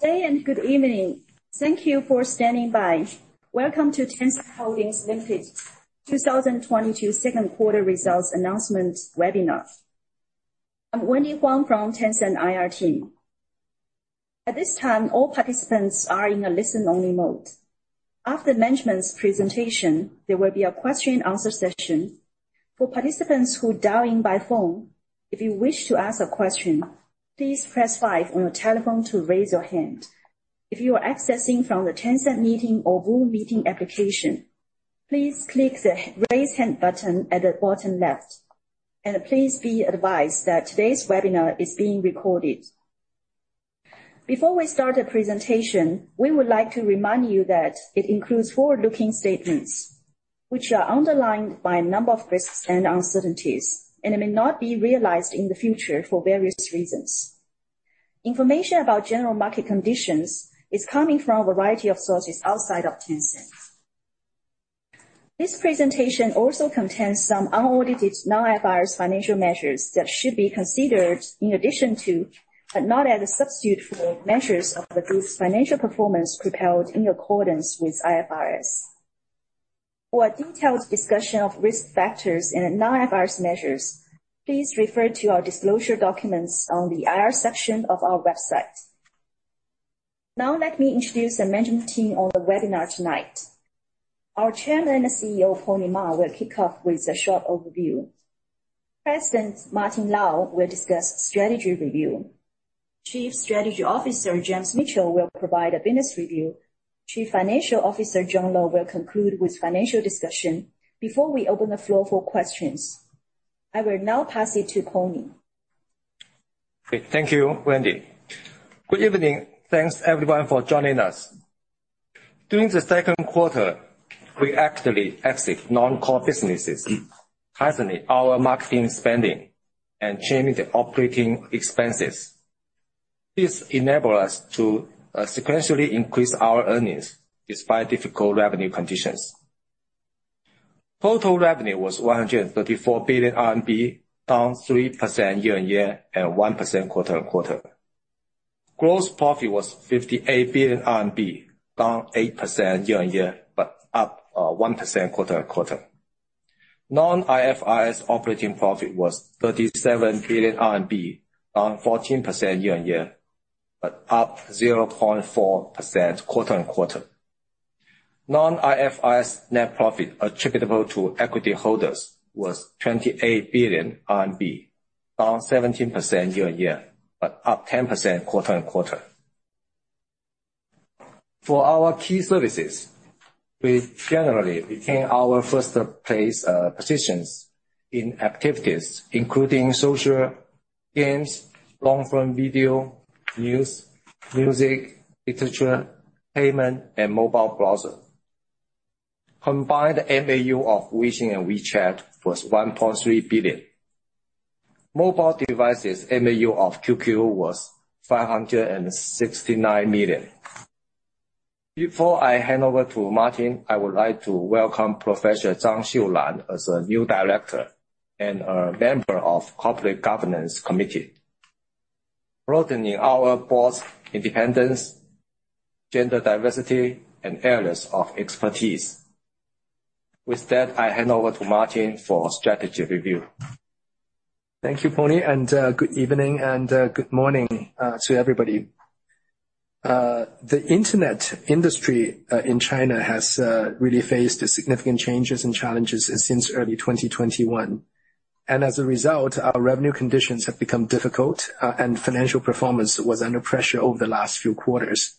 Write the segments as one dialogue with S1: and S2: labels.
S1: Good day and good evening. Thank you for standing by. Welcome to Tencent Holdings Limited 2022 Q2 results announcement webinar. I'm Wendy Huang from Tencent IR team. At this time, all participants are in a listen-only mode. After management's presentation, there will be a question and answer session. For participants who dial in by phone, if you wish to ask a question, please press Five on your telephone to raise your hand. If you are accessing from the Tencent Meeting or Zoom meeting application, please click the Raise Hand button at the bottom left. Please be advised that today's webinar is being recorded. Before we start the presentation, we would like to remind you that it includes forward-looking statements, which are underlined by a number of risks and uncertainties, and it may not be realized in the future for various reasons. Information about general market conditions is coming from a variety of sources outside of Tencent. This presentation also contains some unaudited non-IFRS financial measures that should be considered in addition to, but not as a substitute for measures of the group's financial performance prepared in accordance with IFRS. For a detailed discussion of risk factors and non-IFRS measures, please refer to our disclosure documents on the IR section of our website. Now let me introduce the management team on the webinar tonight. Our Chairman and CEO, Ma Huateng, will kick off with a short overview. President Martin Lau will discuss strategy review. Chief Strategy Officer James Mitchell will provide a business review. Chief Financial Officer John Lo will conclude with financial discussion before we open the floor for questions. I will now pass it to Pony.
S2: Thank you, Wendy. Good evening. Thanks everyone for joining us. During the Q2, we actively exit non-core businesses, tightening our marketing spending and changing the operating expenses. This enable us to sequentially increase our earnings despite difficult revenue conditions. Total revenue was 134 billion RMB, down 3% year-on-year and 1% quarter-on-quarter. Gross profit was 58 billion RMB, down 8% year-on-year, but up one percent quarter-on-quarter. Non-IFRS operating profit was 37 billion RMB, down 14% year-on-year, but up 0.4% quarter-on-quarter. Non-IFRS net profit attributable to equity holders was 28 billion RMB, down 17% year-on-year, but up 10% quarter-on-quarter. For our key services, we generally retain our first place positions in activities including social, games, long-form video, news, music, literature, payment, and mobile browser. Combined MAU of Weixin and Weixin was 1.3 billion. Mobile devices MAU of QQ was 569 million. Before I hand over to Martin, I would like to welcome Professor Zhang Xiulan as a new director and a member of Corporate Governance Committee, broadening our board's independence, gender diversity, and areas of expertise. With that, I hand over to Martin for strategy review.
S3: Thank you, Pony, and good evening and good morning to everybody. The internet industry in China has really faced significant changes and challenges since early 2021. As a result, our revenue conditions have become difficult, and financial performance was under pressure over the last few quarters.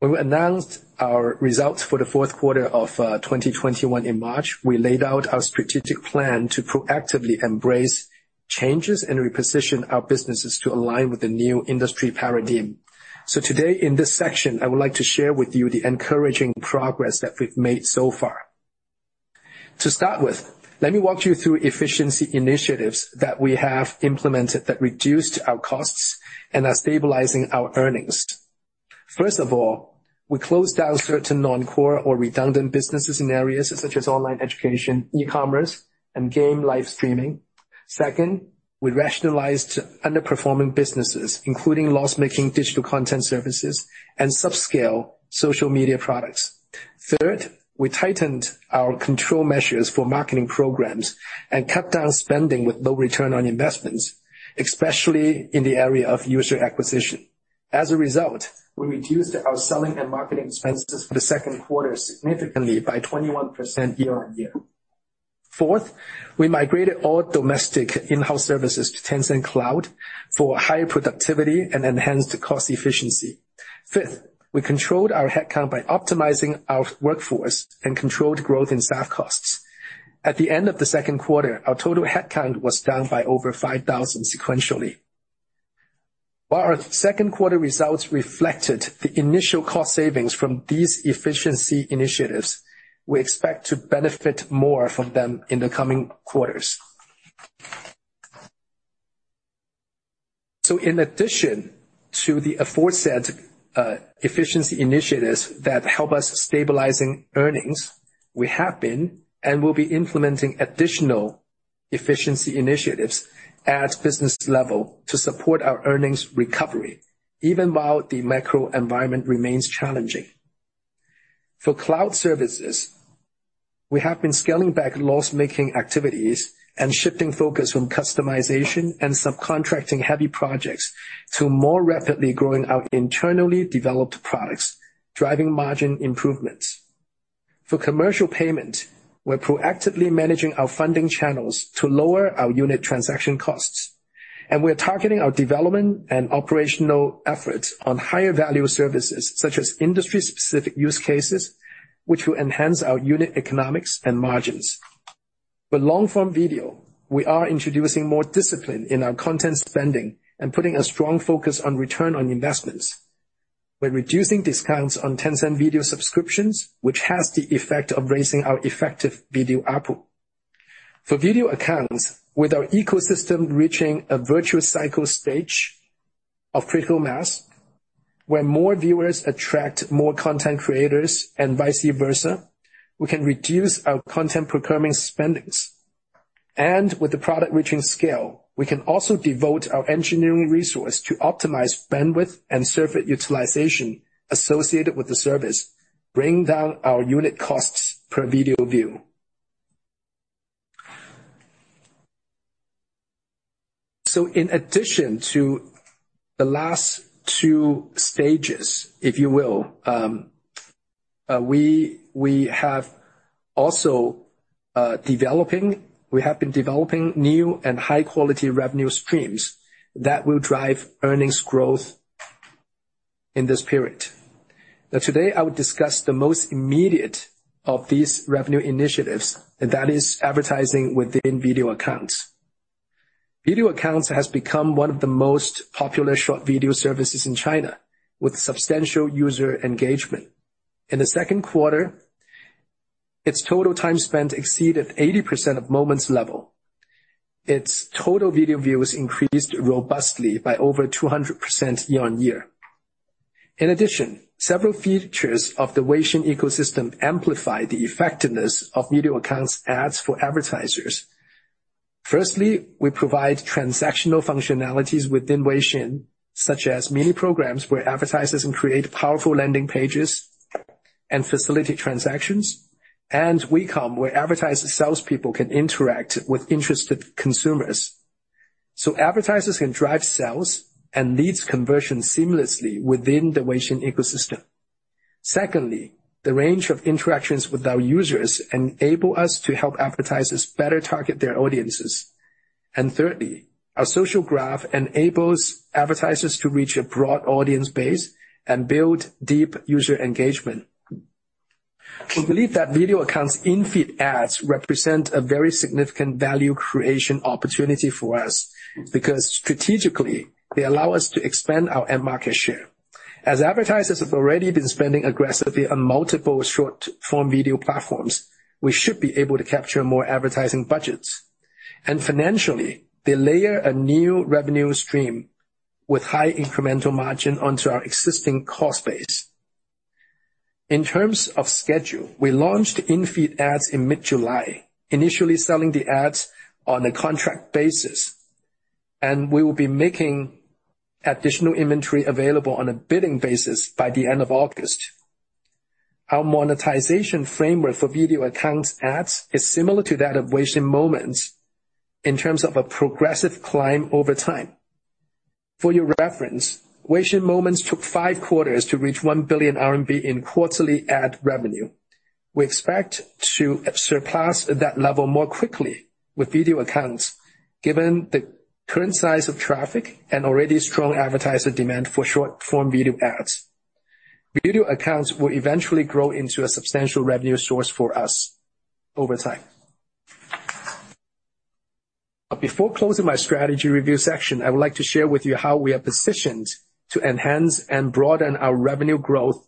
S3: When we announced our results for the Q4 of 2021 in March, we laid out our strategic plan to proactively embrace changes and reposition our businesses to align with the new industry paradigm. Today in this section, I would like to share with you the encouraging progress that we've made so far. To start with, let me walk you through efficiency initiatives that we have implemented that reduced our costs and are stabilizing our earnings. First of all, we closed down certain non-core or redundant businesses in areas such as online education, e-commerce, and game live streaming. Second, we rationalized underperforming businesses, including loss-making digital content services and subscale social media products. Third, we tightened our control measures for marketing programs and cut down spending with low return on investments, especially in the area of user acquisition. As a result, we reduced our selling and marketing expenses for the Q2 significantly by 21% year-on-year. Fourth, we migrated all domestic in-house services to Tencent Cloud for higher productivity and enhanced cost efficiency. Fifth, we controlled our headcount by optimizing our workforce and controlled growth in staff costs. At the end of the Q2, our total headcount was down by over 5,000 sequentially. While our Q2 results reflected the initial cost savings from these efficiency initiatives, we expect to benefit more from them in the coming quarters. In addition to the aforesaid, efficiency initiatives that help us stabilizing earnings, we have been and will be implementing additional efficiency initiatives at business level to support our earnings recovery, even while the macro environment remains challenging. For cloud services, we have been scaling back loss-making activities and shifting focus from customization and subcontracting heavy projects to more rapidly growing our internally developed products, driving margin improvements. For commercial payment, we're proactively managing our funding channels to lower our unit transaction costs. We're targeting our development and operational efforts on higher value services, such as industry-specific use cases, which will enhance our unit economics and margins. Long-form video, we are introducing more discipline in our content spending and putting a strong focus on return on investment. We're reducing discounts on Tencent Video subscriptions, which has the effect of raising our effective video ARPU. For video accounts, with our ecosystem reaching a virtuous cycle stage of critical mass, where more viewers attract more content creators and vice versa, we can reduce our content procurement spending. With the product reaching scale, we can also devote our engineering resources to optimize bandwidth and server utilization associated with the service, bringing down our unit costs per video view. In addition to the last two stages, if you will, we have also been developing new and high-quality revenue streams that will drive earnings growth in this period. Today, I will discuss the most immediate of these revenue initiatives, and that is advertising within Video Accounts. Video Accounts has become one of the most popular short video services in China, with substantial user engagement. In the Q2, its total time spent exceeded 80% of Moments level. Its total video views increased robustly by over 200% year-on-year. In addition, several features of the Weixin ecosystem amplify the effectiveness of Video Accounts ads for advertisers. Firstly, we provide transactional functionalities within Weixin, such as Mini Programs where advertisers can create powerful landing pages and facilitate transactions. WeCom, where advertiser salespeople can interact with interested consumers, so advertisers can drive sales and leads conversion seamlessly within the Weixin ecosystem. Secondly, the range of interactions with our users enable us to help advertisers better target their audiences. Thirdly, our social graph enables advertisers to reach a broad audience base and build deep user engagement. We believe that video accounts in-feed ads represent a very significant value creation opportunity for us because strategically, they allow us to expand our end market share. As advertisers have already been spending aggressively on multiple short-form video platforms, we should be able to capture more advertising budgets. Financially, they layer a new revenue stream with high incremental margin onto our existing cost base. In terms of schedule, we launched in-feed ads in mid-July, initially selling the ads on a contract basis. We will be making additional inventory available on a bidding basis by the end of August. Our monetization framework for video accounts ads is similar to that of Weixin Moments in terms of a progressive climb over time. For your reference, Weixin Moments took five quarters to reach 1 billion RMB in quarterly ad revenue. We expect to surpass that level more quickly with video accounts given the current size of traffic and already strong advertiser demand for short-form video ads. Video accounts will eventually grow into a substantial revenue source for us over time. Before closing my strategy review section, I would like to share with you how we are positioned to enhance and broaden our revenue growth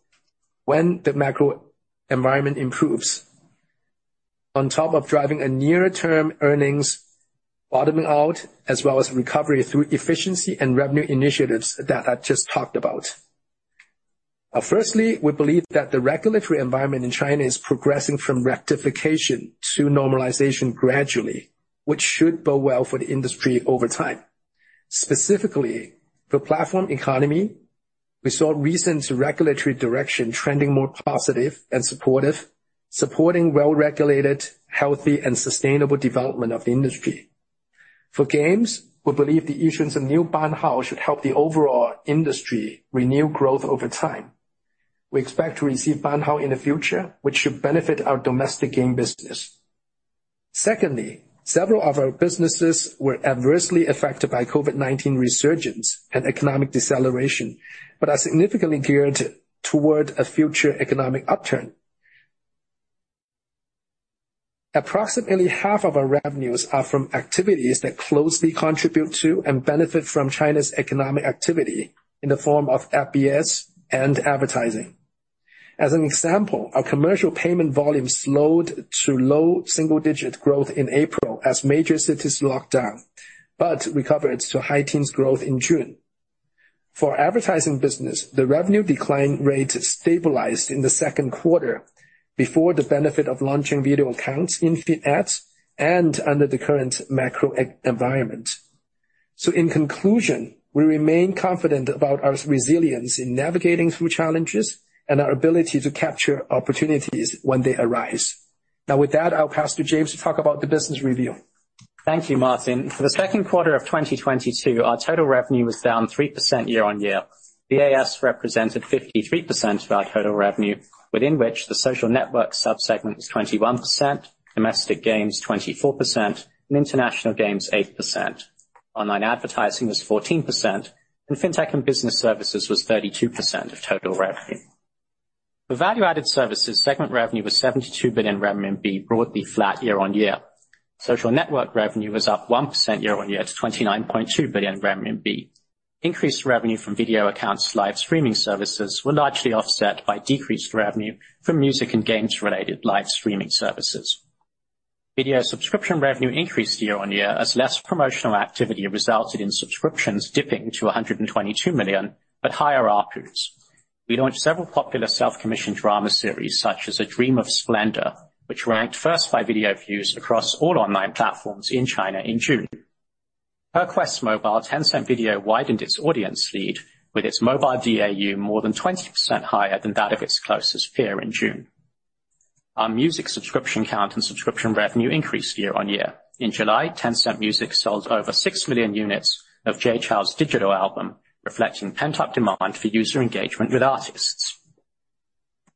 S3: when the macro environment improves. On top of driving a near-term earnings bottoming out, as well as recovery through efficiency and revenue initiatives that I just talked about. Firstly, we believe that the regulatory environment in China is progressing from rectification to normalization gradually, which should bode well for the industry over time. Specifically, for platform economy, we saw recent regulatory direction trending more positive and supportive, supporting well-regulated, healthy and sustainable development of the industry. For games, we believe the issuance of new banhao should help the overall industry renew growth over time. We expect to receive banhao in the future, which should benefit our domestic game business. Secondly, several of our businesses were adversely affected by COVID-19 resurgence and economic deceleration, but are significantly geared toward a future economic upturn. Approximately half of our revenues are from activities that closely contribute to and benefit from China's economic activity in the form of FBS and advertising. As an example, our commercial payment volume slowed to low single-digit growth in April as major cities locked down, but recovered to high teens growth in June. For advertising business, the revenue decline rate stabilized in the Q2 before the benefit of launching video accounts in feed ads and under the current macro environment. In conclusion, we remain confident about our resilience in navigating through challenges and our ability to capture opportunities when they arise. Now with that, I'll pass to James to talk about the business review.
S4: Thank you, Martin. For the Q2 of 2022, our total revenue was down 3% year-on-year. The VAS represented 53% of our total revenue, within which the social network sub-segment was 21%, domestic games 24%, and international games 8%. Online advertising was 14%, and FinTech and Business Services was 32% of total revenue. The value-added services segment revenue was 72 billion renminbi, broadly flat year-on-year. Social network revenue was up 1% year-on-year to 29.2 billion renminbi. Increased revenue from video accounts live streaming services were largely offset by decreased revenue from music and games related live streaming services. Video subscription revenue increased year-on-year as less promotional activity resulted in subscriptions dipping to 122 million but higher ARPU. We launched several popular self-commissioned drama series such as A Dream of Splendor, which ranked first by video views across all online platforms in China in June. Per QuestMobile, Tencent Video widened its audience lead with its mobile DAU more than 20% higher than that of its closest peer in June. Our music subscription count and subscription revenue increased year-on-year. In July, Tencent Music sold over 6 million units of Jay Chou's digital album, reflecting pent-up demand for user engagement with artists.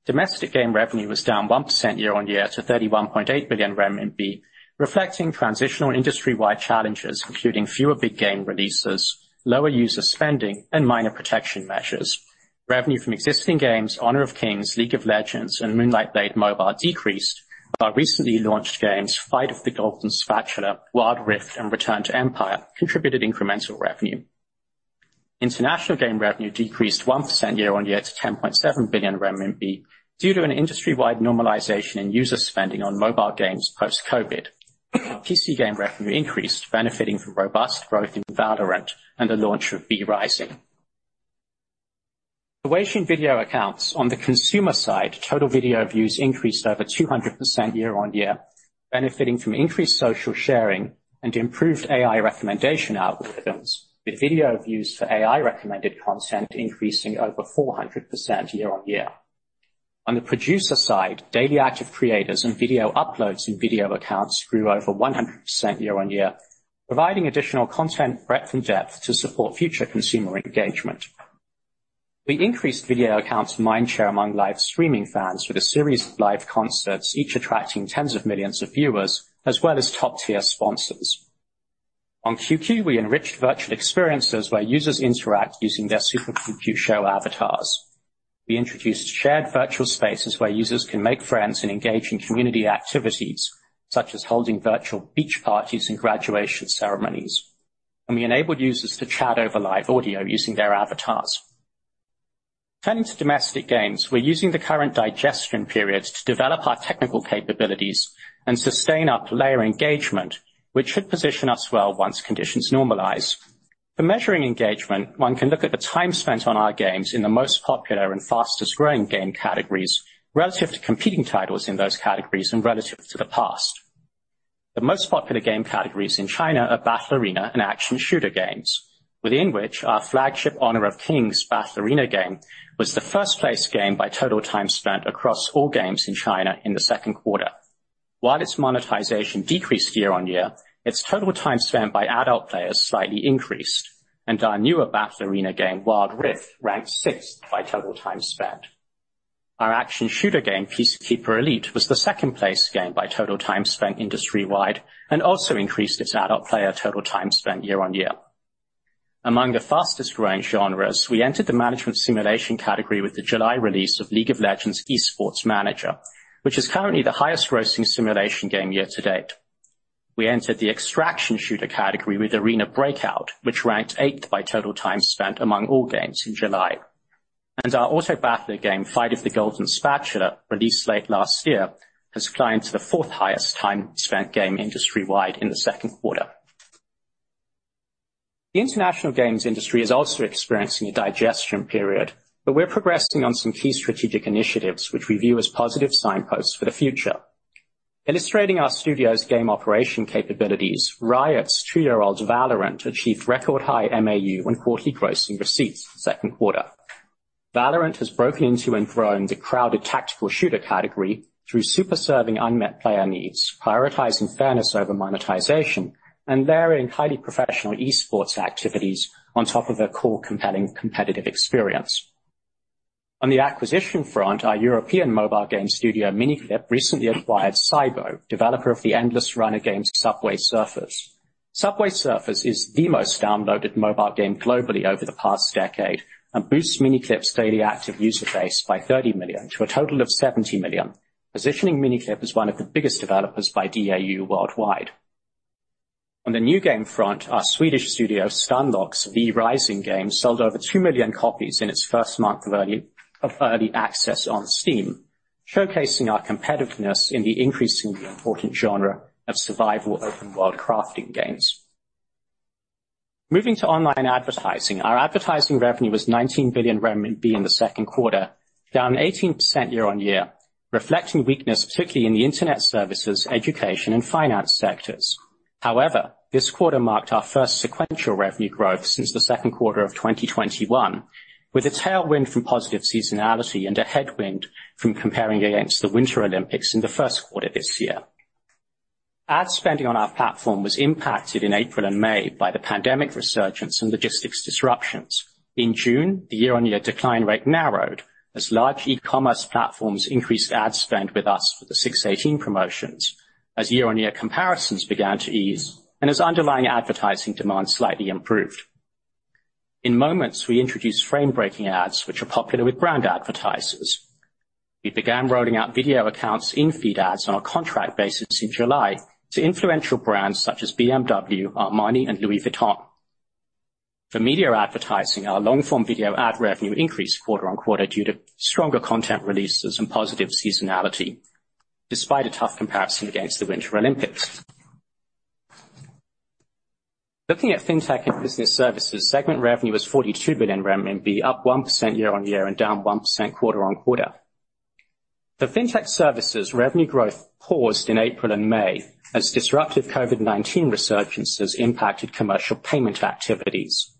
S4: Domestic game revenue was down 1% year-on-year to 31.8 billion renminbi, reflecting transitional industry-wide challenges, including fewer big game releases, lower user spending, and minor protection measures. Revenue from existing games, Honor of Kings, League of Legends, and Moonlight Blade Mobile decreased. While recently launched games, Fight of the Golden Spatula, Wild Rift, and Return to Empire contributed incremental revenue. International game revenue decreased 1% year-on-year to 10.7 billion renminbi due to an industry-wide normalization in user spending on mobile games post-Covid. PC game revenue increased, benefiting from robust growth in Valorant and the launch of V Rising. The Weixin video accounts on the consumer side, total video views increased over 200% year-on-year, benefiting from increased social sharing and improved AI recommendation algorithms, with video views for AI-recommended content increasing over 400% year-on-year. On the producer side, daily active creators and video uploads and video accounts grew over 100% year-on-year, providing additional content breadth and depth to support future consumer engagement. We increased video accounts mindshare among live streaming fans with a series of live concerts, each attracting tens of millions of viewers, as well as top-tier sponsors. On QQ, we enrich virtual experiences where users interact using their Super QQ Show avatars. We introduced shared virtual spaces where users can make friends and engage in community activities such as holding virtual beach parties and graduation ceremonies. We enabled users to chat over live audio using their avatars. Turning to domestic games, we're using the current digestion period to develop our technical capabilities and sustain our player engagement, which should position us well once conditions normalize. For measuring engagement, one can look at the time spent on our games in the most popular and fastest-growing game categories relative to competing titles in those categories and relative to the past. The most popular game categories in China are battle arena and action shooter games, within which our flagship Honor of Kings battle arena game was the first place game by total time spent across all games in China in the Q2. While its monetization decreased year-over-year, its total time spent by adult players slightly increased, and our newer battle arena game, Wild Rift, ranked sixth by total time spent. Our action shooter game, Peacekeeper Elite, was the second place game by total time spent industry-wide and also increased its adult player total time spent year-over-year. Among the fastest growing genres, we entered the management simulation category with the July release of League of Legends: Esports Manager, which is currently the highest grossing simulation game year to date. We entered the extraction shooter category with Arena Breakout, which ranked eighth by total time spent among all games in July. Our auto battle game, Fight of the Golden Spatula, released late last year, has climbed to the fourth highest time spent game industry-wide in the Q2. The international games industry is also experiencing a digestion period, but we're progressing on some key strategic initiatives which we view as positive signposts for the future. Illustrating our studio's game operation capabilities, Riot's two-year-old Valorant achieved record high MAU and quarterly grossing receipts Q2. Valorant has broken into and grown the crowded tactical shooter category through super serving unmet player needs, prioritizing fairness over monetization, and varying highly professional e-sports activities on top of their core compelling competitive experience. On the acquisition front, our European mobile game studio, Miniclip, recently acquired SYBO, developer of the endless runner game Subway Surfers. Subway Surfers is the most downloaded mobile game globally over the past decade and boosts Miniclip's daily active user base by 30 million to a total of 70 million, positioning Miniclip as one of the biggest developers by DAU worldwide. On the new game front, our Stunlock Studios, v rising game sold over 2 million copies in its first month of early access on Steam. Showcasing our competitiveness in the increasingly important genre of survival open world crafting games. Moving to online advertising. Our advertising revenue was 19 billion RMB in the Q2, down 18% year-on-year, reflecting weakness, particularly in the Internet services, education, and finance sectors. However, this quarter marked our first sequential revenue growth since the Q2 of 2021, with a tailwind from positive seasonality and a headwind from comparing against the Winter Olympics in the Q1 this year. Ad spending on our platform was impacted in April and May by the pandemic resurgence and logistics disruptions. In June, the year-on-year decline rate narrowed as large e-commerce platforms increased ad spend with us for the 618 promotions as year-on-year comparisons began to ease and as underlying advertising demand slightly improved. In Moments, we introduced frame-breaking ads, which are popular with brand advertisers. We began rolling out video accounts in feed ads on a contract basis in July to influential brands such as BMW, Armani, and Louis Vuitton. For media advertising, our long-form video ad revenue increased quarter-on-quarter due to stronger content releases and positive seasonality, despite a tough comparison against the Winter Olympics. Looking at FinTech and Business Services, segment revenue was 42 billion RMB, up 1% year-on-year and down 1% quarter-on-quarter. The FinTech services revenue growth paused in April and May as disruptive COVID-19 resurgence has impacted commercial payment activities.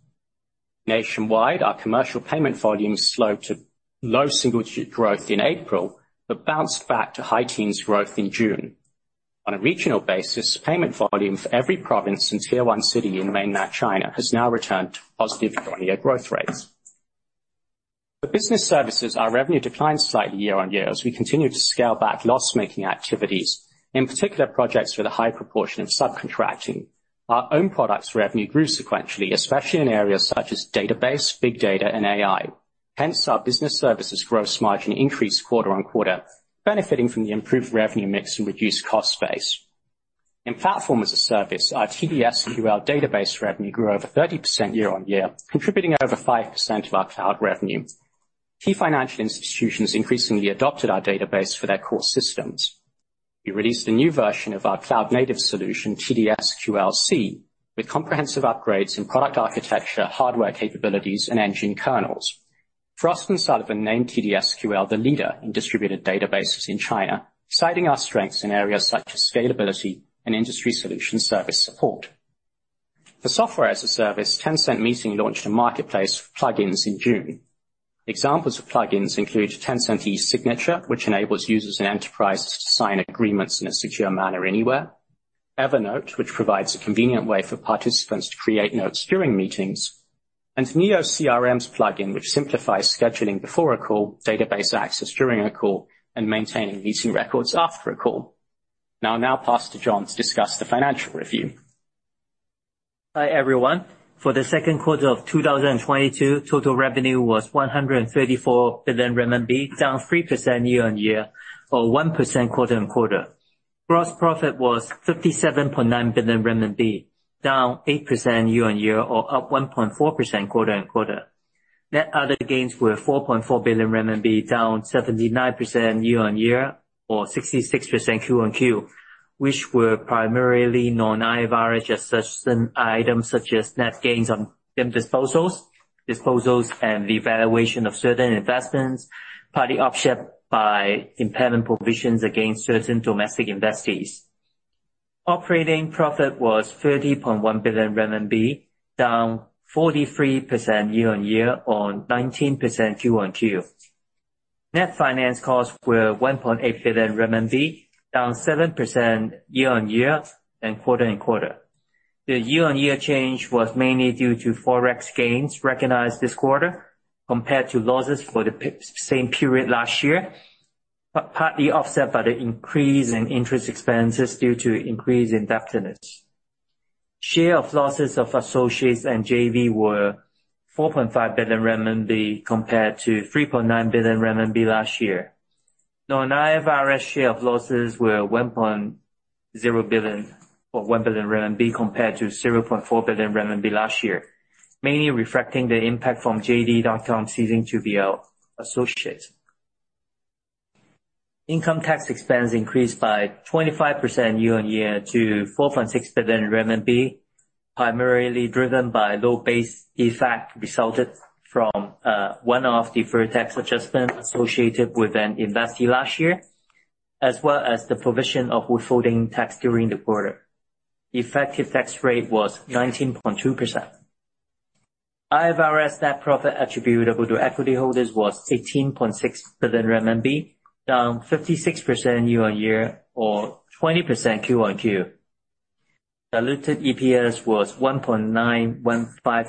S4: Nationwide, our commercial payment volume slowed to low single-digit growth in April, but bounced back to high teens growth in June. On a regional basis, payment volume for every province and tier one city in mainland China has now returned to positive year-on-year growth rates. For business services, our revenue declined slightly year-on-year as we continue to scale back loss-making activities, in particular, projects with a high proportion of subcontracting. Our own products revenue grew sequentially, especially in areas such as database, big data, and AI. Hence, our business services gross margin increased quarter-on-quarter, benefiting from the improved revenue mix and reduced cost base. In Platform-as-a-Service, our TDSQL database revenue grew over 30% year-on-year, contributing over 5% of our cloud revenue. Key financial institutions increasingly adopted our database for their core systems. We released a new version of our cloud-native solution, TDSQL-C, with comprehensive upgrades in product architecture, hardware capabilities, and engine kernels. Frost & Sullivan named TDSQL the leader in distributed databases in China, citing our strengths in areas such as scalability and industry solution service support. For Software-as-a-Service, Tencent Meeting launched a marketplace for plugins in June. Examples of plugins include Tencent eSignature, which enables users and enterprises to sign agreements in a secure manner anywhere. Evernote, which provides a convenient way for participants to create notes during meetings. NeoCRM's plugin, which simplifies scheduling before a call, database access during a call, and maintaining meeting records after a call. Now I'll pass to John to discuss the financial review.
S5: Hi, everyone. For the Q2 of 2022, total revenue was 134 billion RMB, down 3% year-on-year or 1% quarter-on-quarter. Gross profit was 57.9 billion RMB, down 8% year-on-year or up 1.4% quarter-on-quarter. Net other gains were 4.4 billion RMB, down 79% year-on-year or 66% Q-on-Q, which were primarily non-IFRS from such items such as net gains on disposals and the revaluation of certain investments, partly offset by impairment provisions against certain domestic investees. Operating profit was 30.1 billion RMB, down 43% year-on-year or 19% Q-on-Q. Net finance costs were 1.8 billion RMB, down 7% year-on-year and quarter-on-quarter. The year-on-year change was mainly due to forex gains recognized this quarter compared to losses for the same period last year, but partly offset by the increase in interest expenses due to increase in indebtedness. Share of losses of associates and JV were 4.5 billion RMB compared to 3.9 billion RMB last year. Non-IFRS share of losses were 1.0 billion or 1 billion RMB compared to 0.4 billion RMB last year, mainly reflecting the impact from JD.com ceasing to be our associate. Income tax expense increased by 25% year-on-year to 4.6 billion RMB, primarily driven by low base effect resulted from one-off deferred tax adjustment associated with an investee last year, as well as the provision of withholding tax during the quarter. The effective tax rate was 19.2%. IFRS net profit attributable to equity holders was 16.6 billion RMB, down 56% year-over-year or 20% quarter-over-quarter. Diluted EPS was 1.915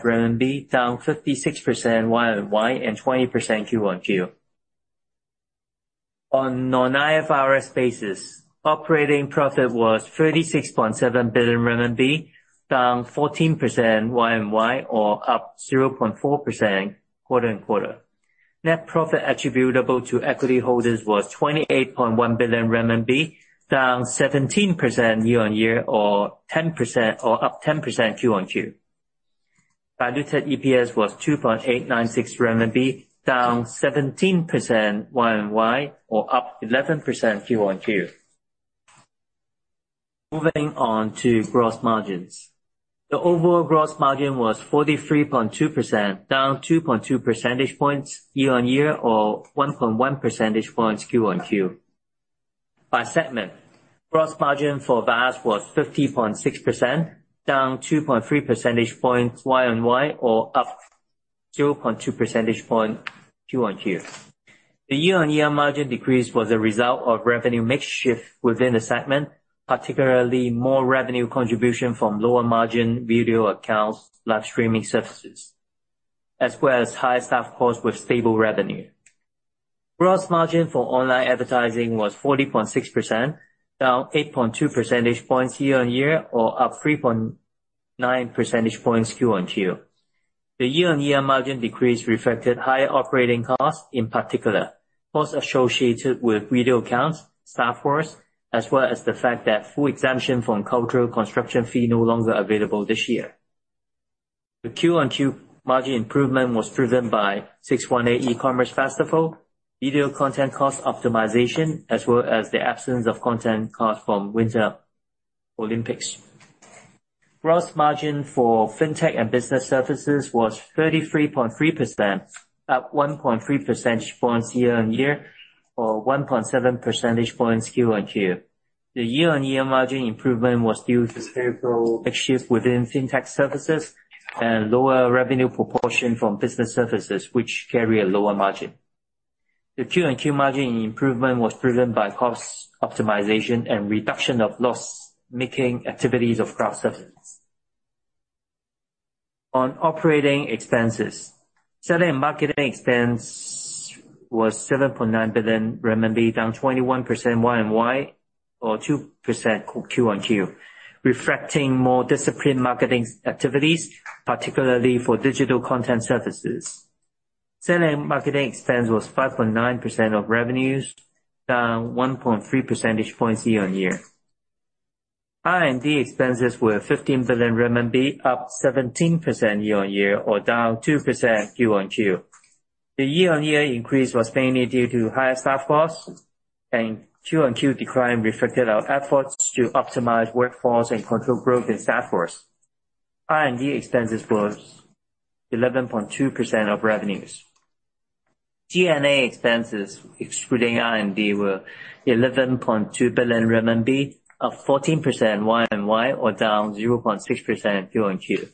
S5: renminbi, down 56% year-over-year and 20% quarter-over-quarter. On non-IFRS basis, operating profit was 36.7 billion RMB, down 14% year-over-year or up 0.4% quarter-over-quarter. Net profit attributable to equity holders was 28.1 billion RMB, down 17% year-over-year or 10% or up 10% quarter-over-quarter. Diluted EPS was 2.896 renminbi, down 17% year-over-year, or up 11% quarter-over-quarter. Moving on to gross margins. The overall gross margin was 43.2%, down 2.2 percentage points year-over-year or 1.1 percentage points quarter-over-quarter. By segment, gross margin for VAS was 50.6%, down 2.3 percentage points year-on-year, or up 0.2 percentage points quarter-on-quarter. The year-on-year margin decrease was a result of revenue mix shift within the segment, particularly more revenue contribution from lower margin video accounts, live streaming services, as well as higher staff costs with stable revenue. Gross margin for online advertising was 40.6%, down 8.2 percentage points year-on-year or up 3.9 percentage points quarter-on-quarter. The year-on-year margin decrease reflected higher operating costs, in particular, costs associated with video accounts, staff costs, as well as the fact that full exemption from cultural construction fee no longer available this year. The Q-on-Q margin improvement was driven by 618 e-commerce festival, video content cost optimization, as well as the absence of content cost from Winter Olympics. Gross margin for FinTech and Business Services was 33.3%, up 1.3 percentage points year-on-year or 1.7 percentage points Q-on-Q. The year-on-year margin improvement was due to favorable mix shift within FinTech services and lower revenue proportion from business services, which carry a lower margin. The Q-on-Q margin improvement was driven by cost optimization and reduction of loss-making activities of cloud services. On operating expenses, selling and marketing expense was 7.9 billion renminbi, down 21% Y-on-Y or 2% Q-on-Q, reflecting more disciplined marketing activities, particularly for digital content services. Selling and marketing expense was 5.9% of revenues, down 1.3 percentage points year-on-year. R&D expenses were 15 billion RMB, up 17% year-on-year or down 2% Q-on-Q. The year-on-year increase was mainly due to higher staff costs and Q-on-Q decline reflected our efforts to optimize workforce and control growth in staff costs. R&D expenses was 11.2% of revenues. G&A expenses excluding R&D were 11.2 billion RMB, up 14% Y-on-Y or down 0.6% Q-on-Q.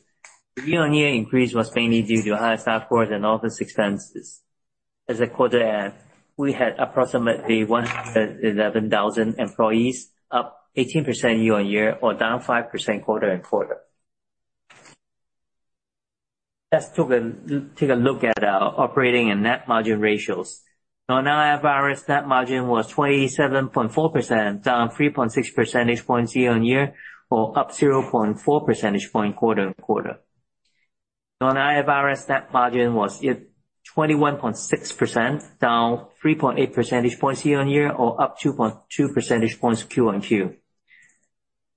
S5: The year-on-year increase was mainly due to higher staff costs and office expenses. As a quarter end, we had approximately 111,000 employees, up 18% year-on-year or down 5% quarter-on-quarter. Take a look at our operating and net margin ratios. Non-IFRS net margin was 27.4%, down 3.6 percentage points year-on-year or up 0.4 percentage point quarter-on-quarter. Non-IFRS net margin was 21.6%, down 3.8 percentage points year-on-year or up 2.2 percentage points Q-on-Q.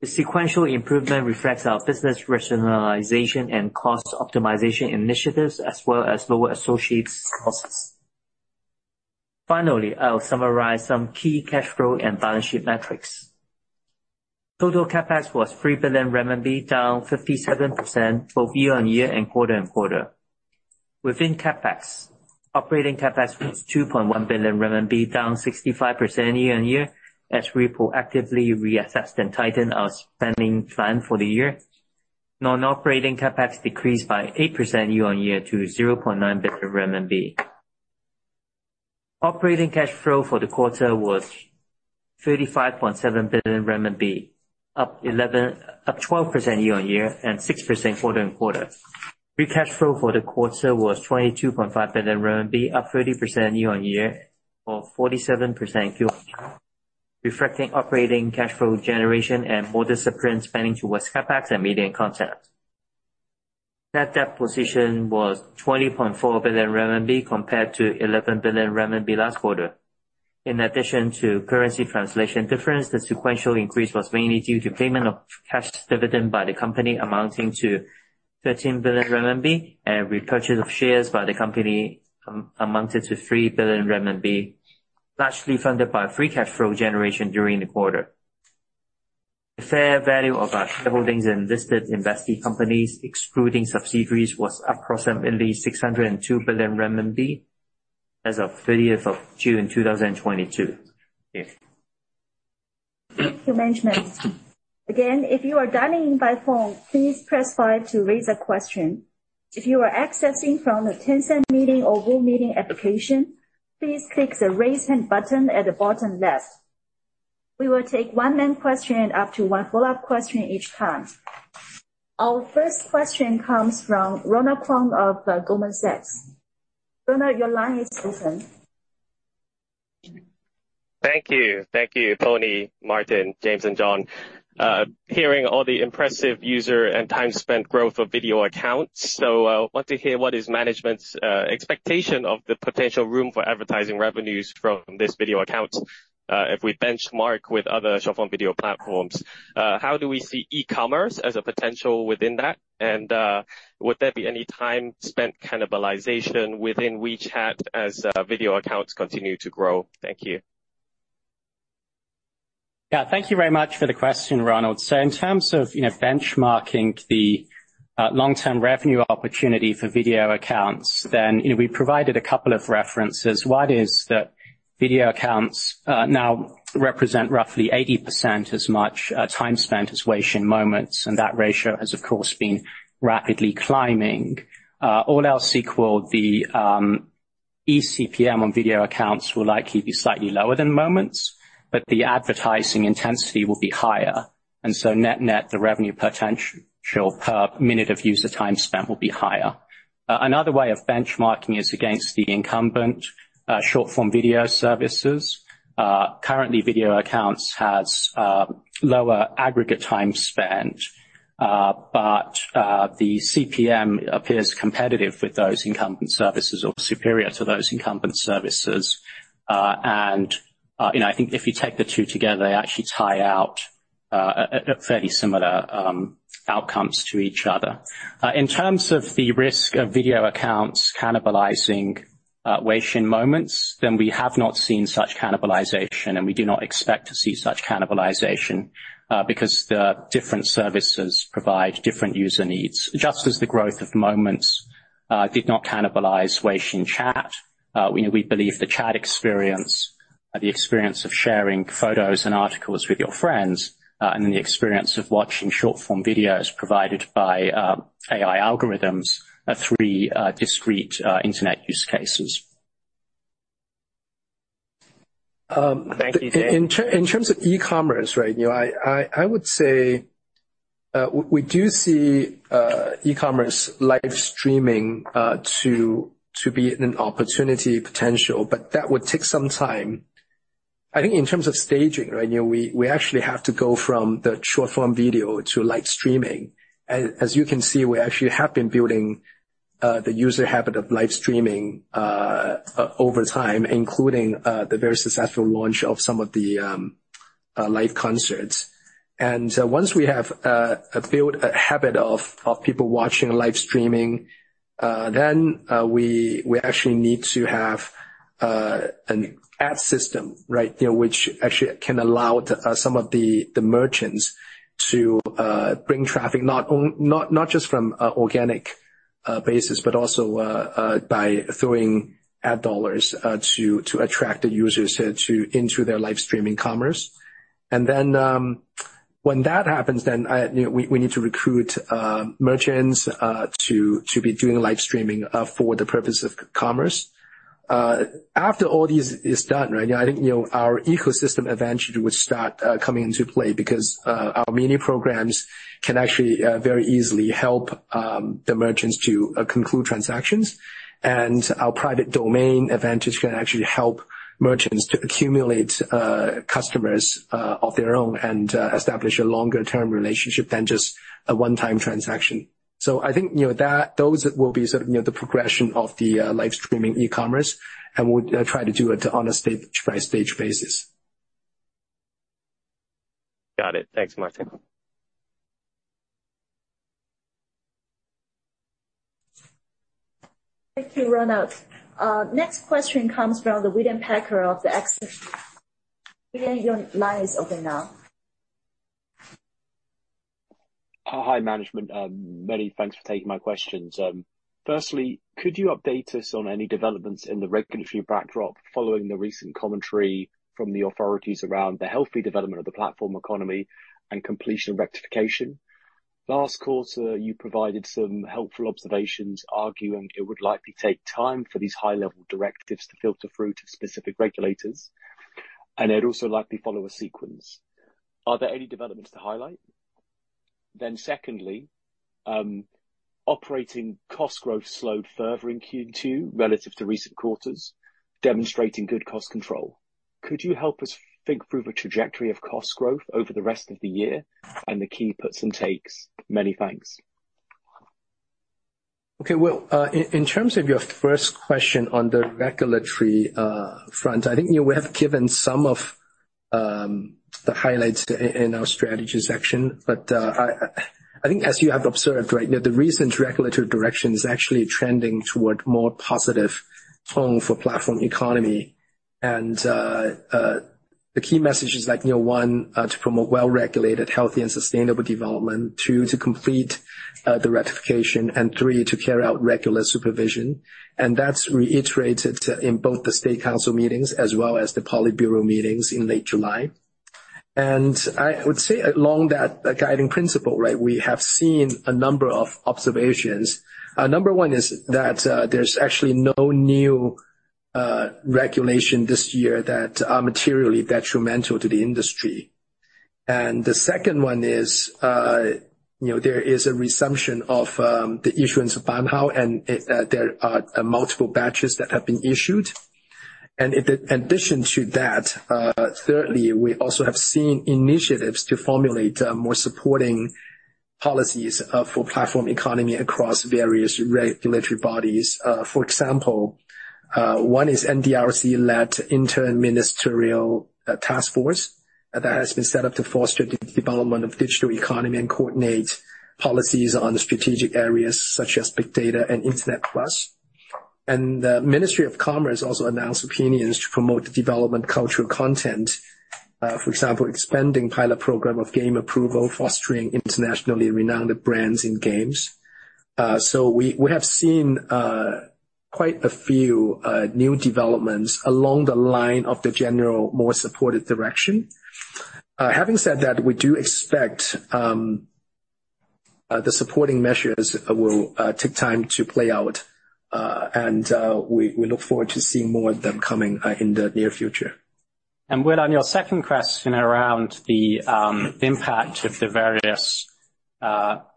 S5: The sequential improvement reflects our business rationalization and cost optimization initiatives as well as lower associates costs. Finally, I'll summarize some key cash flow and balance sheet metrics. Total CapEx was 3 billion RMB, down 57% both year-on-year and quarter-on-quarter. Within CapEx, operating CapEx was 2.1 billion RMB, down 65% year-on-year as we proactively reassessed and tightened our spending plan for the year. Non-operating CapEx decreased by 8% year-on-year to 0.9 billion RMB. Operating cash flow for the quarter was 35.7 billion RMB, up 11... Up 12% year-on-year and 6% quarter-on-quarter. Free cash flow for the quarter was 22.5 billion RMB, up 30% year-on-year or 47% Q-o-Q, reflecting operating cash flow generation and more disciplined spending towards CapEx and media content. Net debt position was 20.4 billion RMB compared to 11 billion RMB last quarter. In addition to currency translation difference, the sequential increase was mainly due to payment of cash dividend by the company amounting to 13 billion RMB and repurchase of shares by the company amounted to 3 billion RMB, largely funded by free cash flow generation during the quarter. The fair value of our shareholdings in listed investee companies, excluding subsidiaries, was approximately 602 billion RMB as of 30th of June, 2022.
S1: Thank you, management. Again, if you are dialing in by phone, please press 5 to raise a question. If you are accessing from the Tencent Meeting or Zoom meeting application, please click the Raise Hand button at the bottom left. We will take one main question and up to one follow-up question each time. Our first question comes from Ronald Keung of Goldman Sachs. Ronald, your line is open.
S6: Thank you. Thank you, Pony, Martin, James, and John. Hearing all the impressive user and time spent growth of video accounts. Want to hear what is management's expectation of the potential room for advertising revenues from this video account, if we benchmark with other short form video platforms. How do we see e-commerce as a potential within that? Would there be any time spent cannibalization within WeChat as video accounts continue to grow? Thank you.
S4: Yeah, thank you very much for the question, Ronald. In terms of, you know, benchmarking the long-term revenue opportunity for video accounts, you know, we provided a couple of references. One is that video accounts now represent roughly 80% as much time spent as Weixin Moments, and that ratio has, of course, been rapidly climbing. All else equal, the eCPM on video accounts will likely be slightly lower than Moments, but the advertising intensity will be higher. Net-net, the revenue potential per minute of user time spent will be higher. Another way of benchmarking is against the incumbent short form video services. Currently video accounts has lower aggregate time spent, but the CPM appears competitive with those incumbent services or superior to those incumbent services. You know, I think if you take the two together, they actually tie out fairly similar outcomes to each other. In terms of the risk of video accounts cannibalizing Weixin Moments, then we have not seen such cannibalization, and we do not expect to see such cannibalization because the different services provide different user needs. Just as the growth of Moments did not cannibalize Weixin Chat, you know, we believe the chat experience, the experience of sharing photos and articles with your friends, and then the experience of watching short form videos provided by AI algorithms are three discrete internet use cases.
S6: Thank you, James.
S3: In terms of e-commerce, right? You know, I would say, we do see e-commerce live streaming to be an opportunity potential, but that would take some time. I think in terms of staging, right, you know, we actually have to go from the short form video to live streaming. As you can see, we actually have been building the user habit of live streaming over time, including the very successful launch of some of the live concerts. Once we have built a habit of people watching live streaming, then we actually need to have an ad system, right? You know, which actually can allow some of the merchants to bring traffic not on... Not just from organic basis, but also by throwing ad dollars to attract the users into their live streaming commerce. Then when that happens, then I you know we need to recruit merchants to be doing live streaming for the purpose of commerce. After all this is done, right, I think you know our ecosystem advantage would start coming into play because our Mini Programs can actually very easily help the merchants to conclude transactions. Our private domain advantage can actually help merchants to accumulate customers of their own and establish a longer-term relationship than just a one-time transaction. I think, you know, those will be sort of, you know, the progression of the live streaming e-commerce, and we'll try to do it on a stage by stage basis.
S6: Got it. Thanks, Martin.
S1: Thank you, Ronald. Next question comes from William Packer of BNP Paribas Exane. William, your line is open now.
S7: Hi, management. Many thanks for taking my questions. Firstly, could you update us on any developments in the regulatory backdrop following the recent commentary from the authorities around the healthy development of the platform economy and completion rectification? Last quarter, you provided some helpful observations arguing it would likely take time for these high-level directives to filter through to specific regulators, and it also likely follow a sequence. Are there any developments to highlight? Secondly, operating cost growth slowed further in Q2 relative to recent quarters, demonstrating good cost control. Could you help us think through the trajectory of cost growth over the rest of the year and the key puts and takes? Many thanks.
S3: Okay. Well, in terms of your first question on the regulatory front, I think, you know, we have given some of the highlights in our strategy section. I think as you have observed, right, you know, the recent regulatory direction is actually trending toward more positive tone for platform economy. The key message is like, you know, one, to promote well-regulated, healthy and sustainable development. Two, to complete the rectification. Three, to carry out regular supervision. That's reiterated in both the State Council meetings as well as the Politburo meetings in late July. I would say along that guiding principle, right, we have seen a number of observations. Number one is that there's actually no new regulation this year that are materially detrimental to the industry. The second one is, you know, there is a resumption of the issuance of banhao, and there are multiple batches that have been issued. In addition to that, thirdly, we also have seen initiatives to formulate more supporting policies for platform economy across various regulatory bodies. For example, one is NDRC-led interministerial task force that has been set up to foster the development of digital economy and coordinate policies on strategic areas such as big data and Internet Plus. The Ministry of Commerce also announced opinions to promote the development of cultural content. For example, expanding pilot program of game approval, fostering internationally renowned brands in games. We have seen quite a few new developments along the line of the general more supported direction. Having said that, we do expect the supporting measures will take time to play out. We look forward to seeing more of them coming in the near future.
S4: Will, on your second question around the impact of the various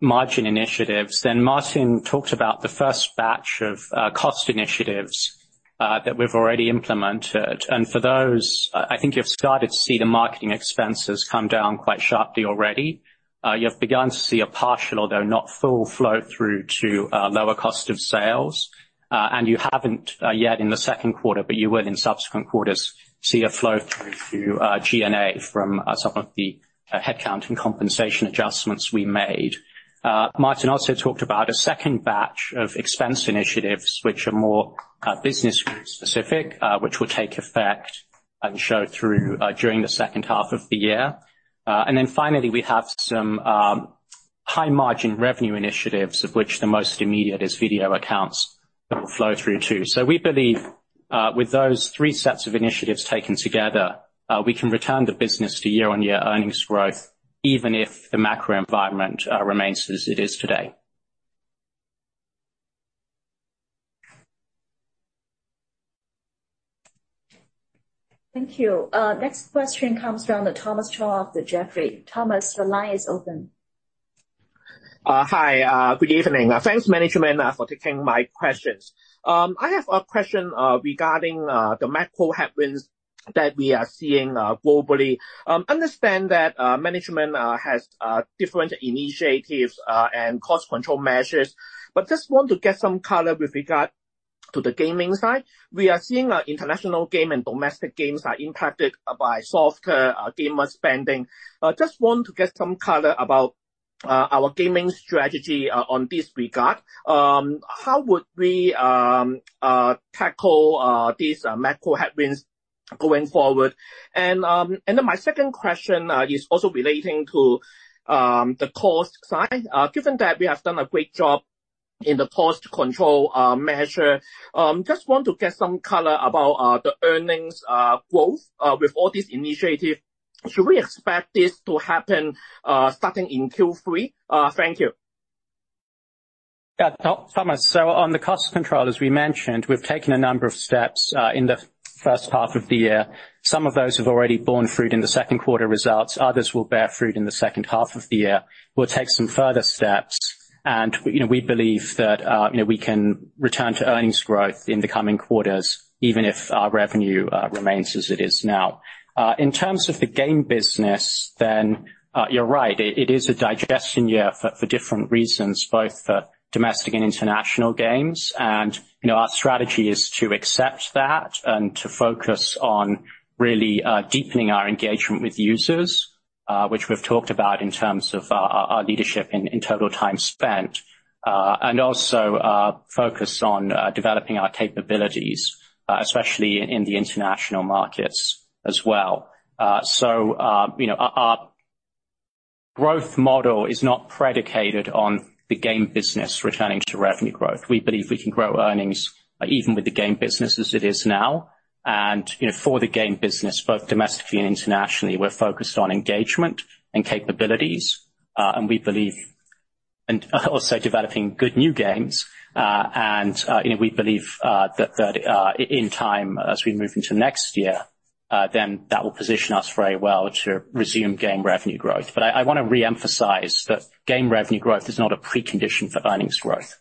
S4: margin initiatives, then Martin talked about the first batch of cost initiatives that we've already implemented. For those, I think you've started to see the marketing expenses come down quite sharply already. You have begun to see a partial, although not full flow through to lower cost of sales. You haven't yet in the Q2, but you will in subsequent quarters see a flow through to G&A from some of the headcount and compensation adjustments we made. Martin also talked about a second batch of expense initiatives, which are more business specific, which will take effect and show through during the H2 of the year. Finally, we have some high margin revenue initiatives, of which the most immediate is video accounts that will flow through too. We believe, with those three sets of initiatives taken together, we can return the business to year-on-year earnings growth, even if the macro environment remains as it is today.
S1: Thank you. Next question comes from Thomas Chong of Jefferies. Thomas, your line is open.
S8: Hi. Good evening. Thanks, management, for taking my questions. I have a question regarding the macro headwinds that we are seeing globally. Understand that management has different initiatives and cost control measures, but just want to get some color with regard to the gaming side. We are seeing our international game and domestic games are impacted by softer gamer spending. Just want to get some color about our gaming strategy on this regard. How would we tackle these macro headwinds going forward? My second question is also relating to the cost side. Given that we have done a great job in the cost control measure, just want to get some color about the earnings growth with all these initiatives. Should we expect this to happen starting in Q3? Thank you.
S4: Yeah, Thomas Chong. On the cost control, as we mentioned, we've taken a number of steps in the H1 of the year. Some of those have already borne fruit in the Q2 results, others will bear fruit in the H2 of the year. We'll take some further steps, and, you know, we believe that, you know, we can return to earnings growth in the coming quarters, even if our revenue remains as it is now. In terms of the game business, you're right. It is a digestion year for different reasons, both for domestic and international games. You know, our strategy is to accept that and to focus on really deepening our engagement with users, which we've talked about in terms of our leadership in total time spent. Also, focus on developing our capabilities, especially in the international markets as well. You know, our growth model is not predicated on the game business returning to revenue growth. We believe we can grow earnings even with the game business as it is now. You know, for the game business, both domestically and internationally, we're focused on engagement and capabilities and also developing good new games. You know, we believe that in time as we move into next year, then that will position us very well to resume game revenue growth. But I want to re-emphasize that game revenue growth is not a precondition for earnings growth.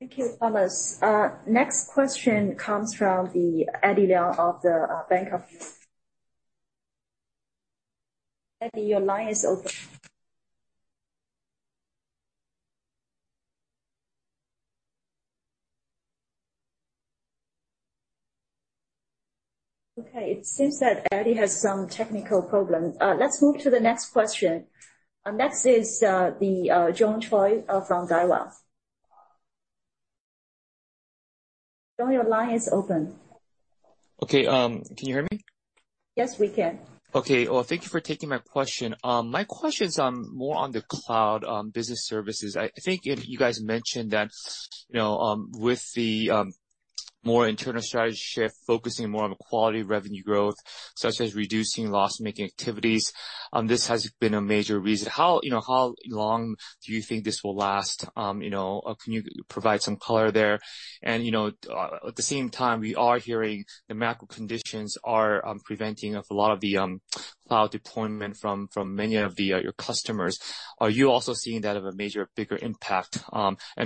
S1: Thank you, Thomas. Next question comes from Eddie Leung. Eddie, your line is open. Okay, it seems that Eddie has some technical problems. Let's move to the next question. Next is John Choi from Daiwa. John, your line is open.
S3: Okay, can you hear me?
S1: Yes, we can.
S3: Okay. Well, thank you for taking my question. My question is more on the cloud business services. I think if you guys mentioned that, you know, with the
S9: More internal strategy shift, focusing more on the quality revenue growth, such as reducing loss-making activities. This has been a major reason. How, you know, how long do you think this will last? You know, or can you provide some color there? You know, at the same time we are hearing the macro conditions are preventing a lot of the cloud deployment from many of your customers. Are you also seeing that have a major bigger impact?